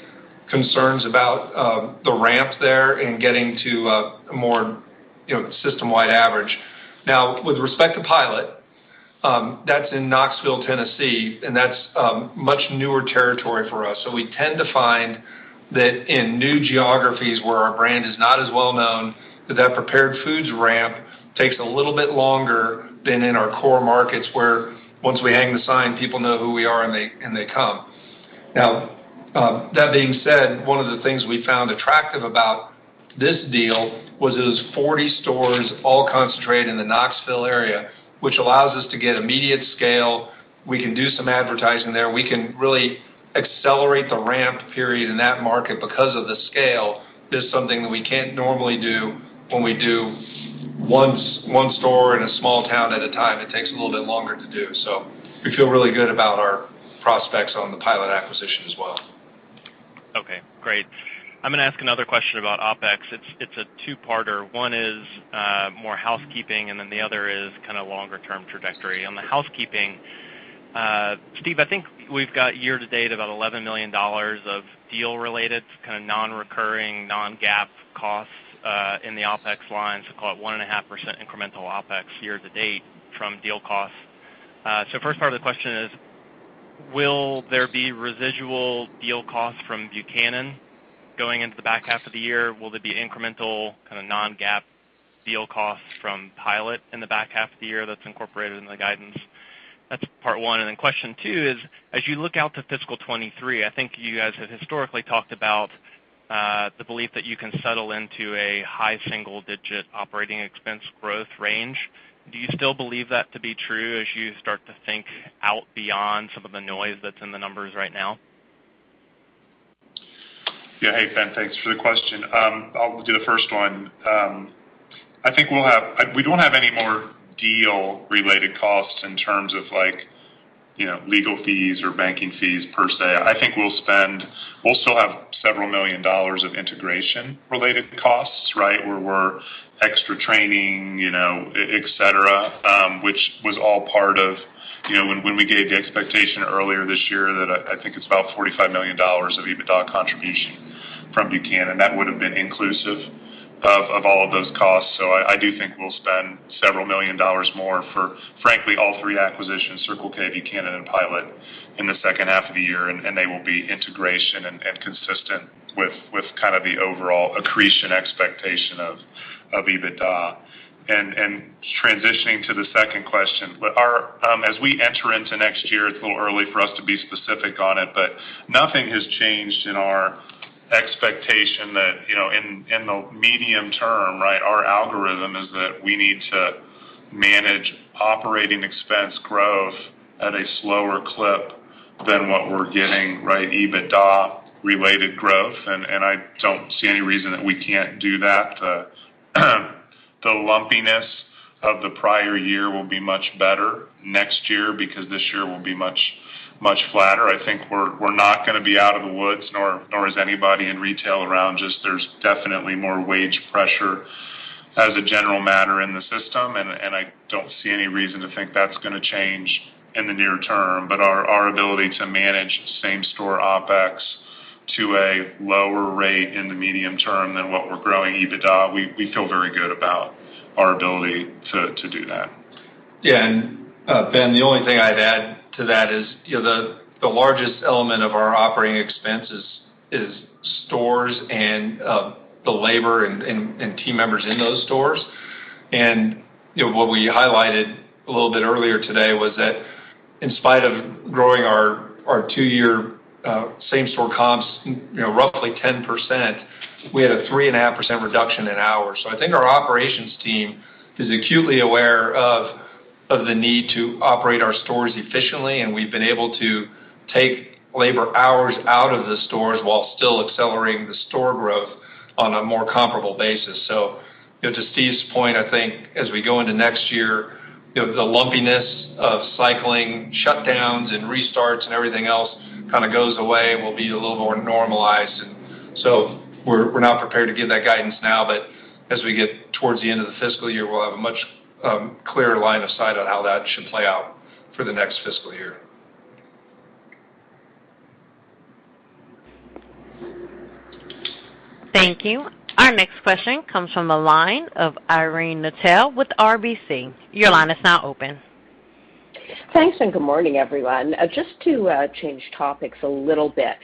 concerns about the ramp there in getting to a more, you know, system-wide average. Now with respect to Pilot, that's in Knoxville, Tennessee, and that's a much newer territory for us. We tend to find that in new geographies where our brand is not as well known, that Prepared Foods ramp takes a little bit longer than in our core markets where once we hang the sign, people know who we are, and they come. Now, that being said, one of the things we found attractive about this deal was it was 40 stores all concentrated in the Knoxville area, which allows us to get immediate scale. We can do some advertising there. We can really accelerate the ramp period in that market because of the scale. It's something that we can't normally do when we do one store in a small town at a time. It takes a little bit longer to do. We feel really good about our prospects on the Pilot acquisition as well. Okay, great. I'm gonna ask another question about OpEx. It's a two-parter. One is more housekeeping, and then the other is kinda longer term trajectory. On the housekeeping, Steve, I think we've got year-to-date about $11 million of deal related to kinda non-recurring, non-GAAP costs in the OpEx lines, so call it 1.5% incremental OpEx year-to-date from deal costs. So first part of the question is, will there be residual deal costs from Buchanan going into the back half of the year? Will there be incremental kinda non-GAAP deal costs from Pilot in the back half of the year that's incorporated in the guidance? That's part one. Question two is, as you look out to fiscal 2023, I think you guys have historically talked about the belief that you can settle into a high single digit operating expense growth range. Do you still believe that to be true as you start to think out beyond some of the noise that's in the numbers right now? Yeah. Hey, Ben, thanks for the question. I'll do the first one. We don't have any more deal related costs in terms of like, you know, legal fees or banking fees per se. We'll still have several million-dollars of integration related costs, right, where we're extra training, you know, et cetera, which was all part of, you know, when we gave the expectation earlier this year that I think it's about $45 million of EBITDA contribution from Buchanan. That would have been inclusive of all of those costs. I do think we'll spend several million-dollars more for, frankly, all three acquisitions, Circle K, Buchanan, and Pilot, in the second half of the year, and they will be integration and consistent with kinda the overall accretion expectation of EBITDA. Transitioning to the second question. As we enter into next year, it's a little early for us to be specific on it, but nothing has changed in our expectation that, you know, in the medium term, our algorithm is that we need to manage operating expense growth at a slower clip than what we're getting, EBITDA related growth. I don't see any reason that we can't do that. The lumpiness of the prior year will be much better next year because this year will be much flatter. I think we're not gonna be out of the woods, nor is anybody in retail right now. Just, there's definitely more wage pressure as a general matter in the system. I don't see any reason to think that's gonna change in the near term. Our ability to manage same-store OpEx to a lower rate in the medium term than what we're growing EBITDA, we feel very good about our ability to do that. Ben, the only thing I'd add to that is the largest element of our operating expense is stores and the labor and team members in those stores. What we highlighted a little bit earlier today was that in spite of growing our two-year same store comps roughly 10%, we had a 3.5% reduction in hours. I think our operations team is acutely aware of the need to operate our stores efficiently, and we've been able to take labor hours out of the stores while still accelerating the store growth on a more comparable basis. You know, to Steve's point, I think as we go into next year, you know, the lumpiness of cycling shutdowns and restarts and everything else kinda goes away. Will be a little more normalized. We're not prepared to give that guidance now, but as we get towards the end of the fiscal year, we'll have a much clearer line of sight on how that should play out for the next fiscal year. Thank you. Our next question comes from the line of Irene Nattel with RBC Capital Markets. Your line is now open. Thanks, good morning, everyone. Just to change topics a little bit,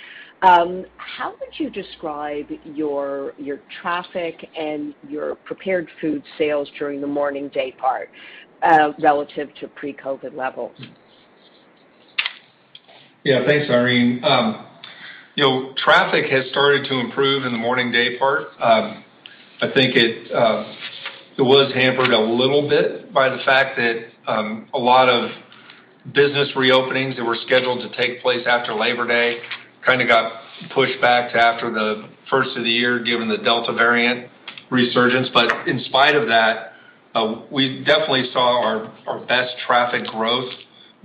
how would you describe your traffic and your Prepared Food sales during the morning daypart, relative to pre-COVID levels? Yeah. Thanks, Irene. Traffic has started to improve in the morning daypart. I think it was hampered a little bit by the fact that a lot of business reopenings that were scheduled to take place after Labor Day kinda got pushed back to after the first of the year, given the Delta variant resurgence. In spite of that, we definitely saw our best traffic growth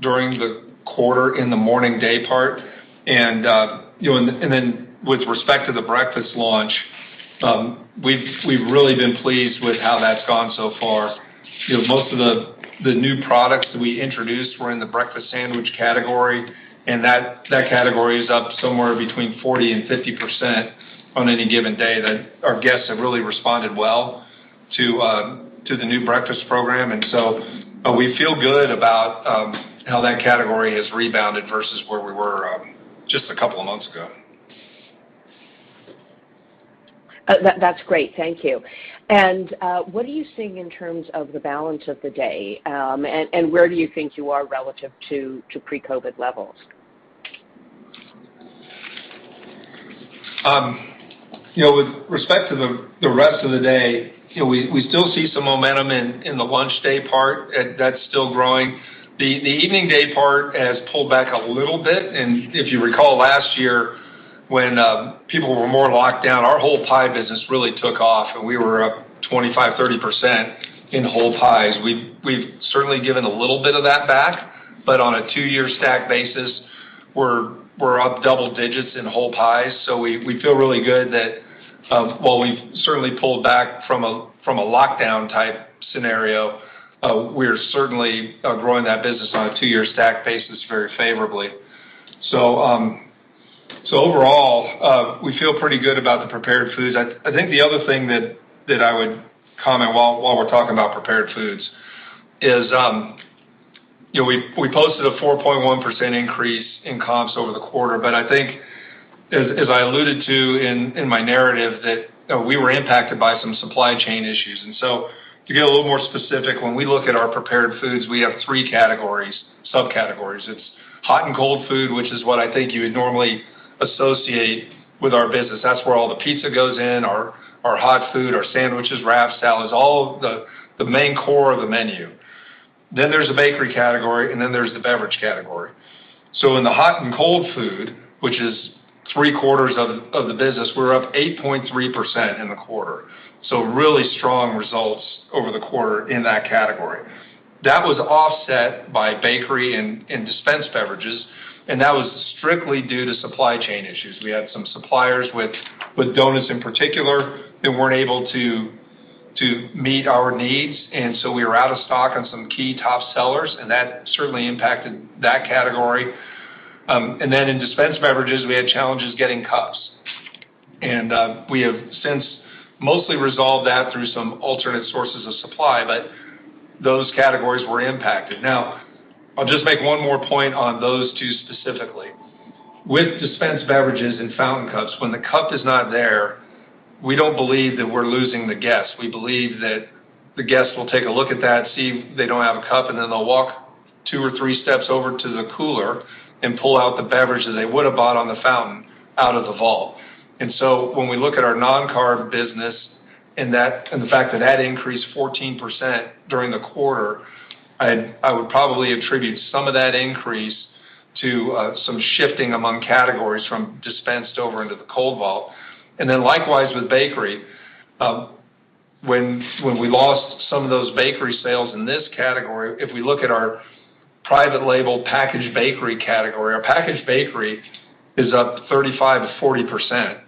during the quarter in the morning daypart. Then with respect to the breakfast launch, we've really been pleased with how that's gone so far. You know, most of the new products that we introduced were in the breakfast sandwich category, and that category is up somewhere between 40% and 50% on any given day that our guests have really responded well to the new breakfast program. We feel good about how that category has rebounded versus where we were just a couple of months ago. That's great. Thank you. What are you seeing in terms of the balance of the day, and where do you think you are relative to pre-COVID levels? You know, with respect to the rest of the day, you know, we still see some momentum in the lunch day part, and that's still growing. The evening day part has pulled back a little bit. If you recall last year, when people were more locked down, our whole pie business really took off, and we were up 25%-30% in whole pies. We've certainly given a little bit of that back, but on a two-year stack basis, we're up double digits in whole pies. We feel really good that, while we've certainly pulled back from a lockdown type scenario, we're certainly growing that business on a two-year stack basis very favorably. Overall, we feel pretty good about the Prepared Foods. I think the other thing that I would comment while we're talking about Prepared Foods is, you know, we posted a 4.1% increase in comps over the quarter, but I think as I alluded to in my narrative that, you know, we were impacted by some supply chain issues. To get a little more specific, when we look at our Prepared Foods, we have three categories, subcategories. It's hot and cold food, which is what I think you would normally associate with our business. That's where all the pizza goes in our hot food, our sandwiches, wraps, salads, all of the main core of the menu. Then there's the bakery category, and then there's the beverage category. In the hot and cold food, which is three-quarters of the business, we're up 8.3% in the quarter. Really strong results over the quarter in that category. That was offset by bakery and Dispensed Beverages, and that was strictly due to supply chain issues. We had some suppliers with donuts in particular, that weren't able to meet our needs. We were out of stock on some key top sellers, and that certainly impacted that category. Then in Dispensed Beverages, we had challenges getting cups. We have since mostly resolved that through some alternate sources of supply, but those categories were impacted. Now, I'll just make one more point on those two specifically. With Dispensed Beverages and fountain cups, when the cup is not there, we don't believe that we're losing the guests. We believe that the guests will take a look at that, see they don't have a cup, and then they'll walk two or three steps over to the cooler and pull out the beverage that they would have bought on the fountain out of the vault. When we look at our non-carb business and the fact that it increased 14% during the quarter, I would probably attribute some of that increase to some shifting among categories from dispensed over into the cold vault. Likewise with bakery, when we lost some of those bakery sales in this category, if we look at our private label packaged bakery category, our packaged bakery is up 35%-40%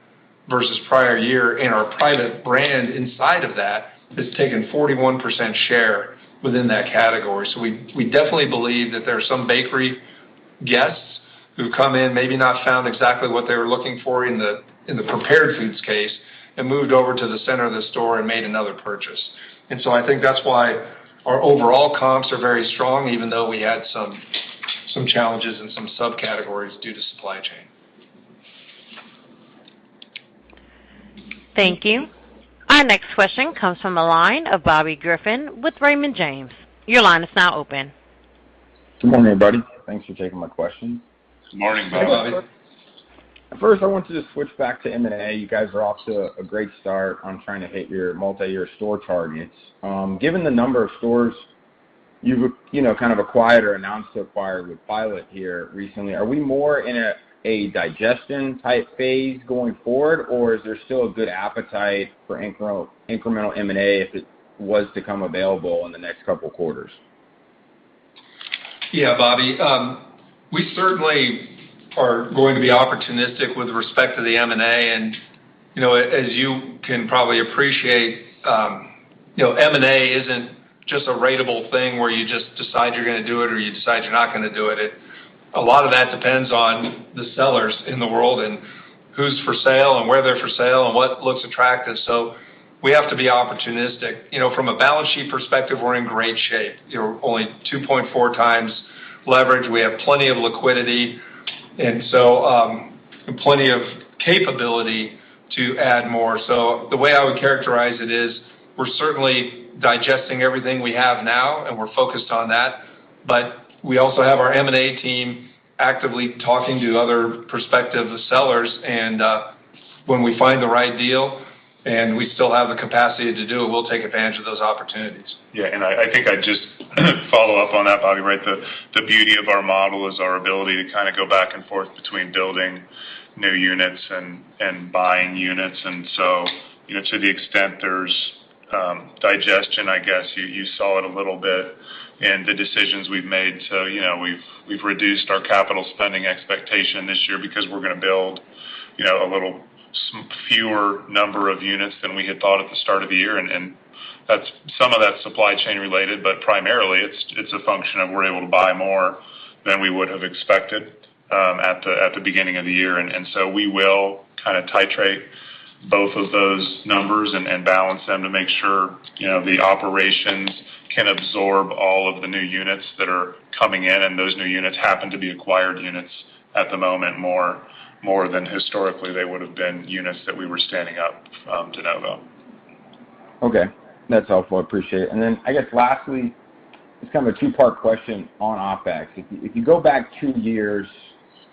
versus prior year, and our private brand inside of that has taken 41% share within that category. We definitely believe that there are some bakery guests who come in, maybe not found exactly what they were looking for in the Prepared Foods case and moved over to the center of the store and made another purchase. I think that's why our overall comps are very strong, even though we had some challenges in some subcategories due to supply chain. Thank you. Our next question comes from the line of Bobby Griffin with Raymond James. Your line is now open. Good morning, everybody. Thanks for taking my question. Good morning, Bobby. First, I want to just switch back to M&A. You guys are off to a great start on trying to hit your multi-year store targets. Given the number of stores you've, you know, kind of acquired or announced to acquire with Pilot here recently, are we more in a digestion type phase going forward, or is there still a good appetite for incremental M&A if it was to come available in the next couple of quarters? Yeah, Bobby. We certainly are going to be opportunistic with respect to the M&A. You know, as you can probably appreciate, you know, M&A isn't just a ratable thing where you just decide you're gonna do it or you decide you're not gonna do it. A lot of that depends on the sellers in the world and who's for sale and where they're for sale and what looks attractive. We have to be opportunistic. You know, from a balance sheet perspective, we're in great shape. You know, only 2.4x leverage. We have plenty of liquidity, and so plenty of capability to add more. The way I would characterize it is we're certainly digesting everything we have now, and we're focused on that. We also have our M&A team actively talking to other prospective sellers. When we find the right deal and we still have the capacity to do it, we'll take advantage of those opportunities. Yeah. I think I'd just follow up on that, Bobby, right? The beauty of our model is our ability to kind of go back and forth between building new units and buying units. You know, to the extent there's digestion, I guess, you saw it a little bit in the decisions we've made. You know, we've reduced our capital spending expectation this year because we're gonna build you know some fewer number of units than we had thought at the start of the year. That's some of that's supply chain related, but primarily it's a function of we're able to buy more than we would have expected at the beginning of the year. We will kind of titrate both of those numbers and balance them to make sure, you know, the operations can absorb all of the new units that are coming in, and those new units happen to be acquired units at the moment, more than historically they would've been units that we were standing up de novo. Okay. That's helpful. I appreciate it. I guess, lastly, it's kind of a two-part question on OpEx. If you go back two years,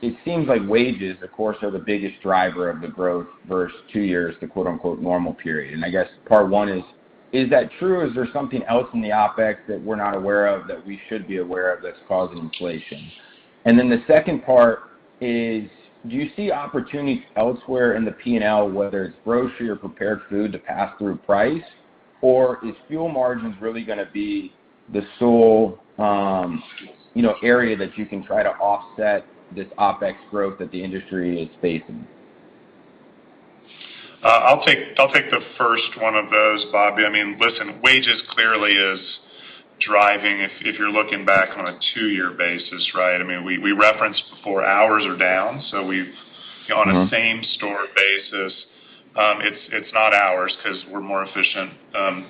it seems like wages, of course, are the biggest driver of the growth versus two years, the quote-unquote, normal period. I guess part one is that true? Is there something else in the OpEx that we're not aware of that we should be aware of that's causing inflation? The second part is, do you see opportunities elsewhere in the P&L, whether it's grocery or Prepared Food to pass through price? Or is fuel margins really gonna be the sole, you know, area that you can try to offset this OpEx growth that the industry is facing? I'll take the first one of those, Bobby. I mean, listen, wages clearly is driving if you're looking back on a two-year basis, right? I mean, we referenced before hours are down, so we've- Mm-hmm. On a same-store basis, it's not ours 'cause we're more efficient,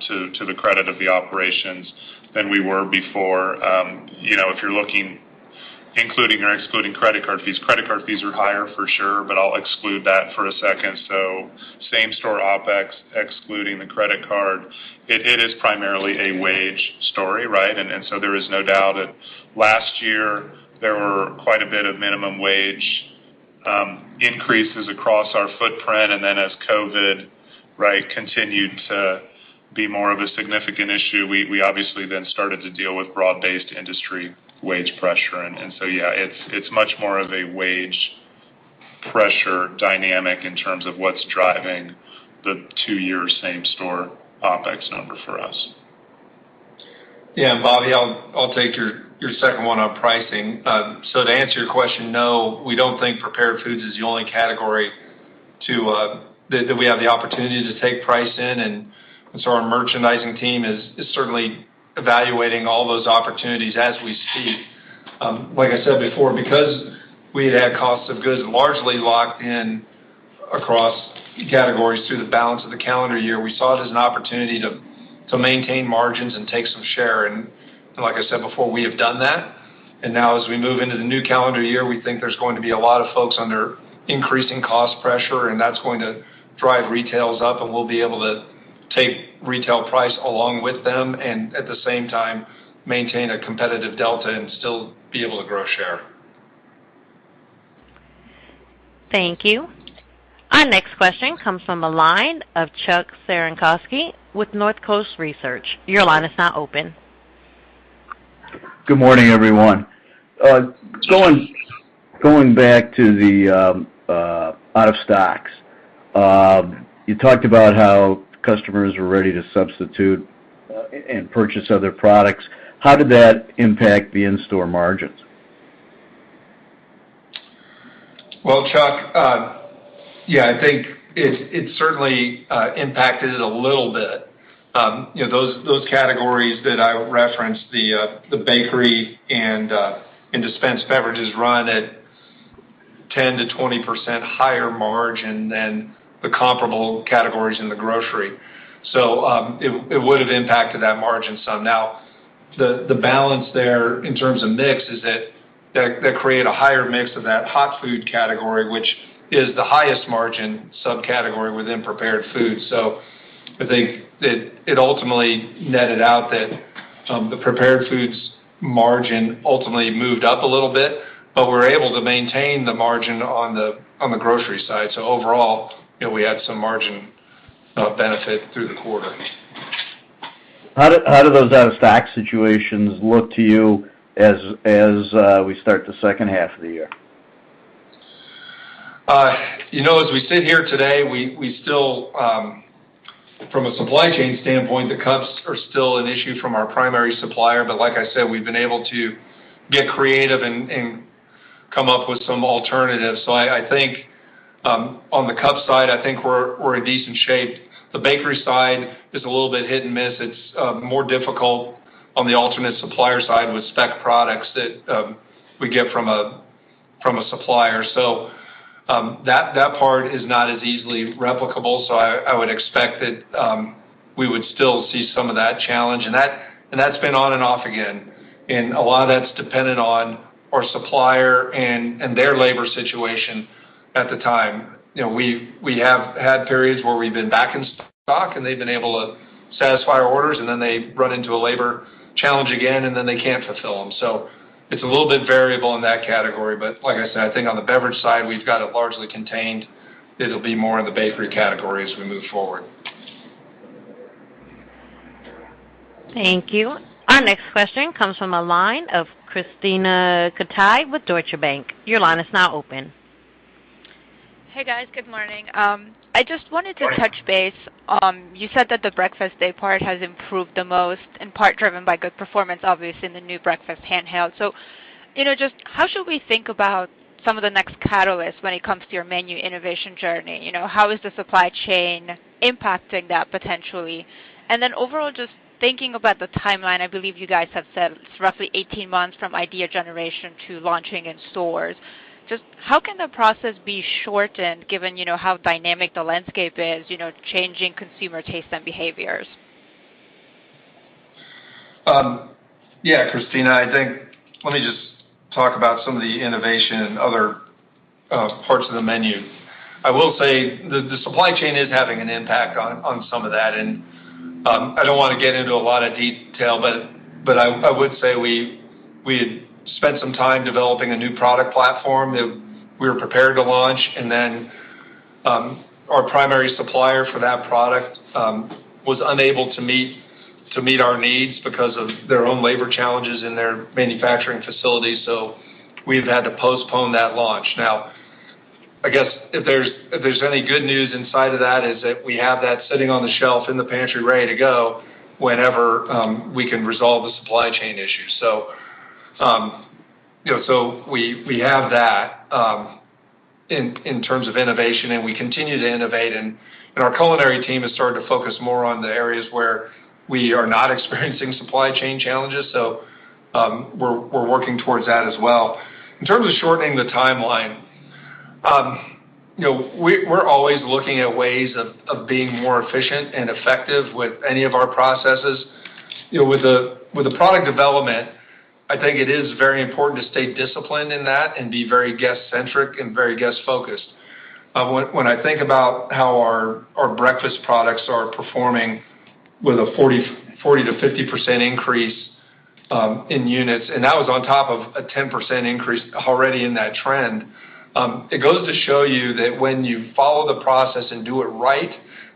to the credit of the operations than we were before. You know, if you're looking including or excluding credit card fees, credit card fees are higher for sure, but I'll exclude that for a second. Same-store OpEx excluding the credit card, it is primarily a wage story, right? There is no doubt that last year there were quite a bit of minimum wage increases across our footprint. As COVID, right, continued to be more of a significant issue, we obviously then started to deal with broad-based industry wage pressure. Yeah, it's much more of a wage pressure dynamic in terms of what's driving the two-year same-store OpEx number for us. Yeah. Bobby, I'll take your second one on pricing. To answer your question, no, we don't think Prepared Foods is the only category that we have the opportunity to take price in. Our merchandising team is certainly evaluating all those opportunities as we speak. Like I said before, because we had costs of goods largely locked in across categories through the balance of the calendar year, we saw it as an opportunity to maintain margins and take some share. Like I said before, we have done that. Now as we move into the new calendar year, we think there's going to be a lot of folks under increasing cost pressure, and that's going to drive retail up, and we'll be able to take retail price along with them, and at the same time, maintain a competitive delta and still be able to grow share. Thank you. Our next question comes from the line of Chuck Cerankosky with Northcoast Research. Your line is now open. Good morning, everyone. Going back to the out of stocks. You talked about how customers were ready to substitute and purchase other products. How did that impact the in-store margins? Well, Chuck, yeah, I think it certainly impacted it a little bit. You know, those categories that I referenced, the bakery and Dispensed Beverages run at 10%-20% higher margin than the comparable categories in the grocery. It would've impacted that margin some. Now the balance there in terms of mix is that that creates a higher mix of that hot food category, which is the highest margin subcategory within Prepared Food. I think that it ultimately netted out that the Prepared Foods margin ultimately moved up a little bit, but we're able to maintain the margin on the grocery side. Overall, you know, we had some margin benefit through the quarter. How did those out-of-stock situations look to you as we start the second half of the year? You know, as we sit here today, we still from a supply chain standpoint, the cups are still an issue from our primary supplier. Like I said, we've been able to get creative and come up with some alternatives. I think on the cup side, I think we're in decent shape. The bakery side is a little bit hit and miss. It's more difficult on the alternate supplier side with spec products that we get from a supplier. That part is not as easily replicable. I would expect that we would still see some of that challenge and that's been on and off again. A lot of that's dependent on our supplier and their labor situation at the time. You know, we have had periods where we've been back in stock and they've been able to satisfy our orders, and then they run into a labor challenge again, and then they can't fulfill them. It's a little bit variable in that category. Like I said, I think on the beverage side we've got it largely contained. It'll be more in the bakery category as we move forward. Thank you. Our next question comes from the line of Krisztina Katai with Deutsche Bank. Your line is now open. Hey, guys. Good morning. I just wanted to touch base. You said that the breakfast daypart has improved the most, in part driven by good performance, obviously, in the new breakfast handheld. You know, just how should we think about some of the next catalysts when it comes to your menu innovation journey? You know, how is the supply chain impacting that potentially? And then overall, just thinking about the timeline, I believe you guys have said it's roughly 18 months from idea generation to launching in stores. Just how can the process be shortened given, you know, how dynamic the landscape is, you know, changing consumer tastes and behaviors? Yeah, Krisztina, I think let me just talk about some of the innovation in other parts of the menu. I will say the supply chain is having an impact on some of that, and I don't wanna get into a lot of detail, but I would say we had spent some time developing a new product platform that we were prepared to launch, and then our primary supplier for that product was unable to meet our needs because of their own labor challenges in their manufacturing facilities. We've had to postpone that launch. Now, I guess if there's any good news inside of that, is that we have that sitting on the shelf in the pantry ready to go whenever we can resolve the supply chain issue. You know, so we have that in terms of innovation, and we continue to innovate, and our culinary team has started to focus more on the areas where we are not experiencing supply chain challenges, so we're working towards that as well. In terms of shortening the timeline, you know, we're always looking at ways of being more efficient and effective with any of our processes. You know, with the product development, I think it is very important to stay disciplined in that and be very guest centric and very guest focused. When I think about how our breakfast products are performing with a 40%-50% increase in units, and that was on top of a 10% increase already in that trend, it goes to show you that when you follow the process and do it right,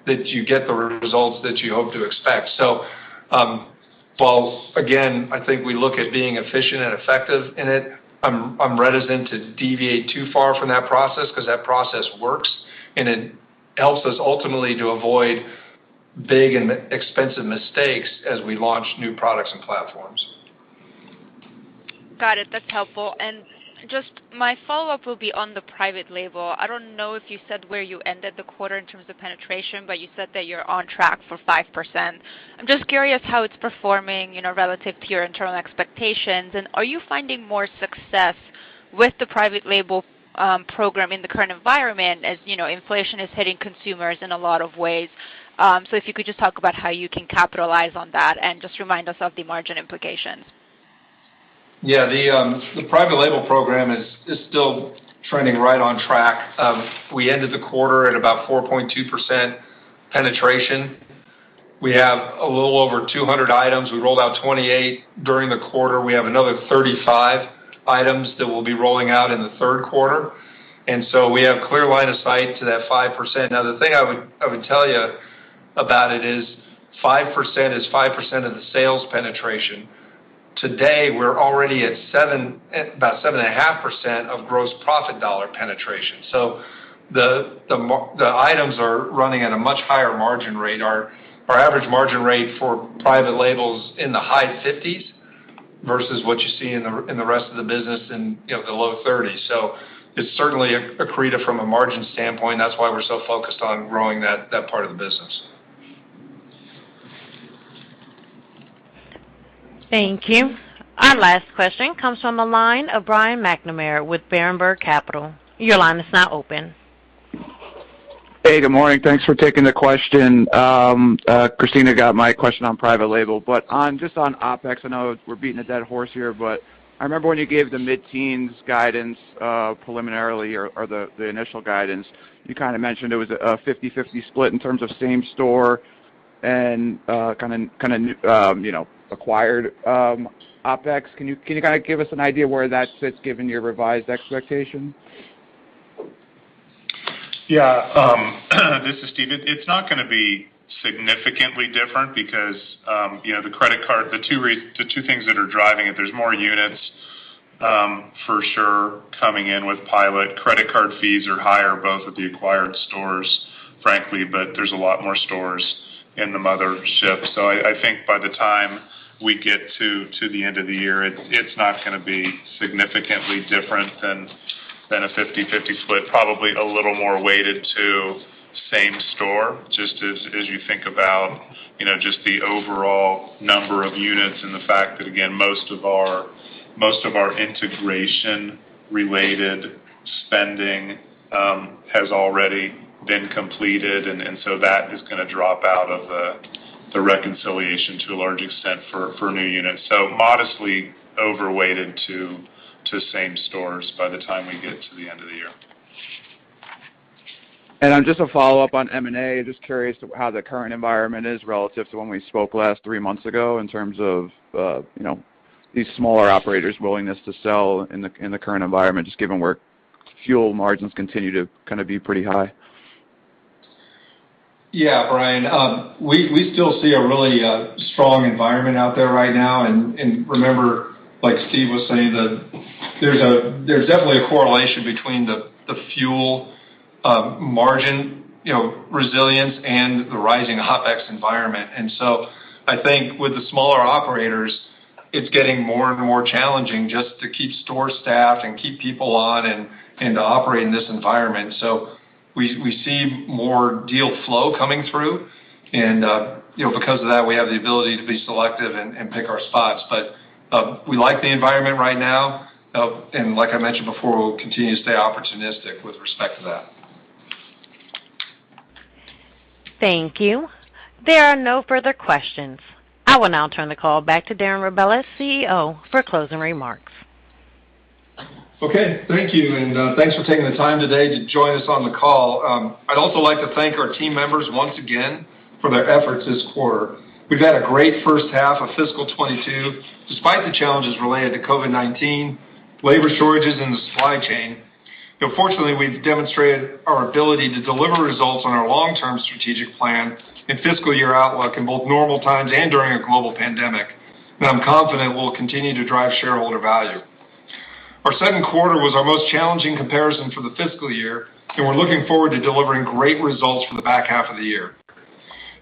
that you get the results that you hope to expect. While again, I think we look at being efficient and effective in it, I'm reticent to deviate too far from that process because that process works, and it helps us ultimately to avoid big and expensive mistakes as we launch new products and platforms. Got it. That's helpful. Just my follow-up will be on the private label. I don't know if you said where you ended the quarter in terms of penetration, but you said that you're on track for 5%. I'm just curious how it's performing, you know, relative to your internal expectations. Are you finding more success with the private label program in the current environment? As you know, inflation is hitting consumers in a lot of ways. So if you could just talk about how you can capitalize on that and just remind us of the margin implications. Yeah. The private label program is still trending right on track. We ended the quarter at about 4.2% penetration. We have a little over 200 items. We rolled out 28 during the quarter. We have another 35 items that we'll be rolling out in the third quarter, and so we have clear line of sight to that 5%. Now, the thing I would tell you about it is 5% is 5% of the sales penetration. Today, we're already at about 7.5% of gross profit dollar penetration. So the items are running at a much higher margin rate. Our average margin rate for private labels in the high-50s% versus what you see in the rest of the business in, you know, the low-30s%. It's certainly accretive from a margin standpoint. That's why we're so focused on growing that part of the business. Thank you. Our last question comes from the line of Brian McNamara with Berenberg Capital Markets. Your line is now open. Hey, good morning. Thanks for taking the question. Krisztina got my question on private label, but just on OpEx, I know we're beating a dead horse here, but I remember when you gave the mid-teens guidance preliminarily or the initial guidance, you kinda mentioned it was a 50/50 split in terms of same store and kinda you know acquired OpEx. Can you kinda give us an idea where that sits given your revised expectations? This is Steve. It's not gonna be significantly different because, you know, the credit card, the two things that are driving it, there's more units for sure coming in with Pilot. Credit card fees are higher both at the acquired stores, frankly, but there's a lot more stores in the mothership. So I think by the time we get to the end of the year, it's not gonna be significantly different than a 50/50 split. Probably a little more weighted to same store, just as you think about, you know, just the overall number of units and the fact that, again, most of our integration related spending has already been completed. So that is gonna drop out of the reconciliation to a large extent for new units. Modestly overweighted to same stores by the time we get to the end of the year. Just a follow-up on M&A. Just curious how the current environment is relative to when we spoke last three months ago in terms of, you know, these smaller operators' willingness to sell in the current environment, just given where fuel margins continue to kinda be pretty high. Yeah. Brian, we still see a really strong environment out there right now. Remember, like Steve was saying, that there's definitely a correlation between the fuel margin resilience and the rising OpEx environment. I think with the smaller operators, it's getting more and more challenging just to keep stores staffed and keep people on and to operate in this environment. We see more deal flow coming through, and because of that, we have the ability to be selective and pick our spots. We like the environment right now. Like I mentioned before, we'll continue to stay opportunistic with respect to that. Thank you. There are no further questions. I will now turn the call back to Darren Rebelez, CEO, for closing remarks. Okay. Thank you, and thanks for taking the time today to join us on the call. I'd also like to thank our team members once again for their efforts this quarter. We've had a great first half of fiscal 2022, despite the challenges related to COVID-19, labor shortages, and the supply chain. You know, fortunately, we've demonstrated our ability to deliver results on our long-term strategic plan and fiscal year outlook in both normal times and during a global pandemic, and I'm confident we'll continue to drive shareholder value. Our second quarter was our most challenging comparison for the fiscal year, and we're looking forward to delivering great results for the back half of the year.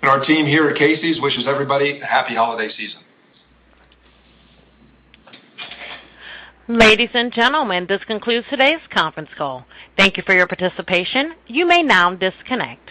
Our team here at Casey's wishes everybody a happy holiday season. Ladies, and gentlemen, this concludes today's conference call. Thank you for your participation. You may now disconnect.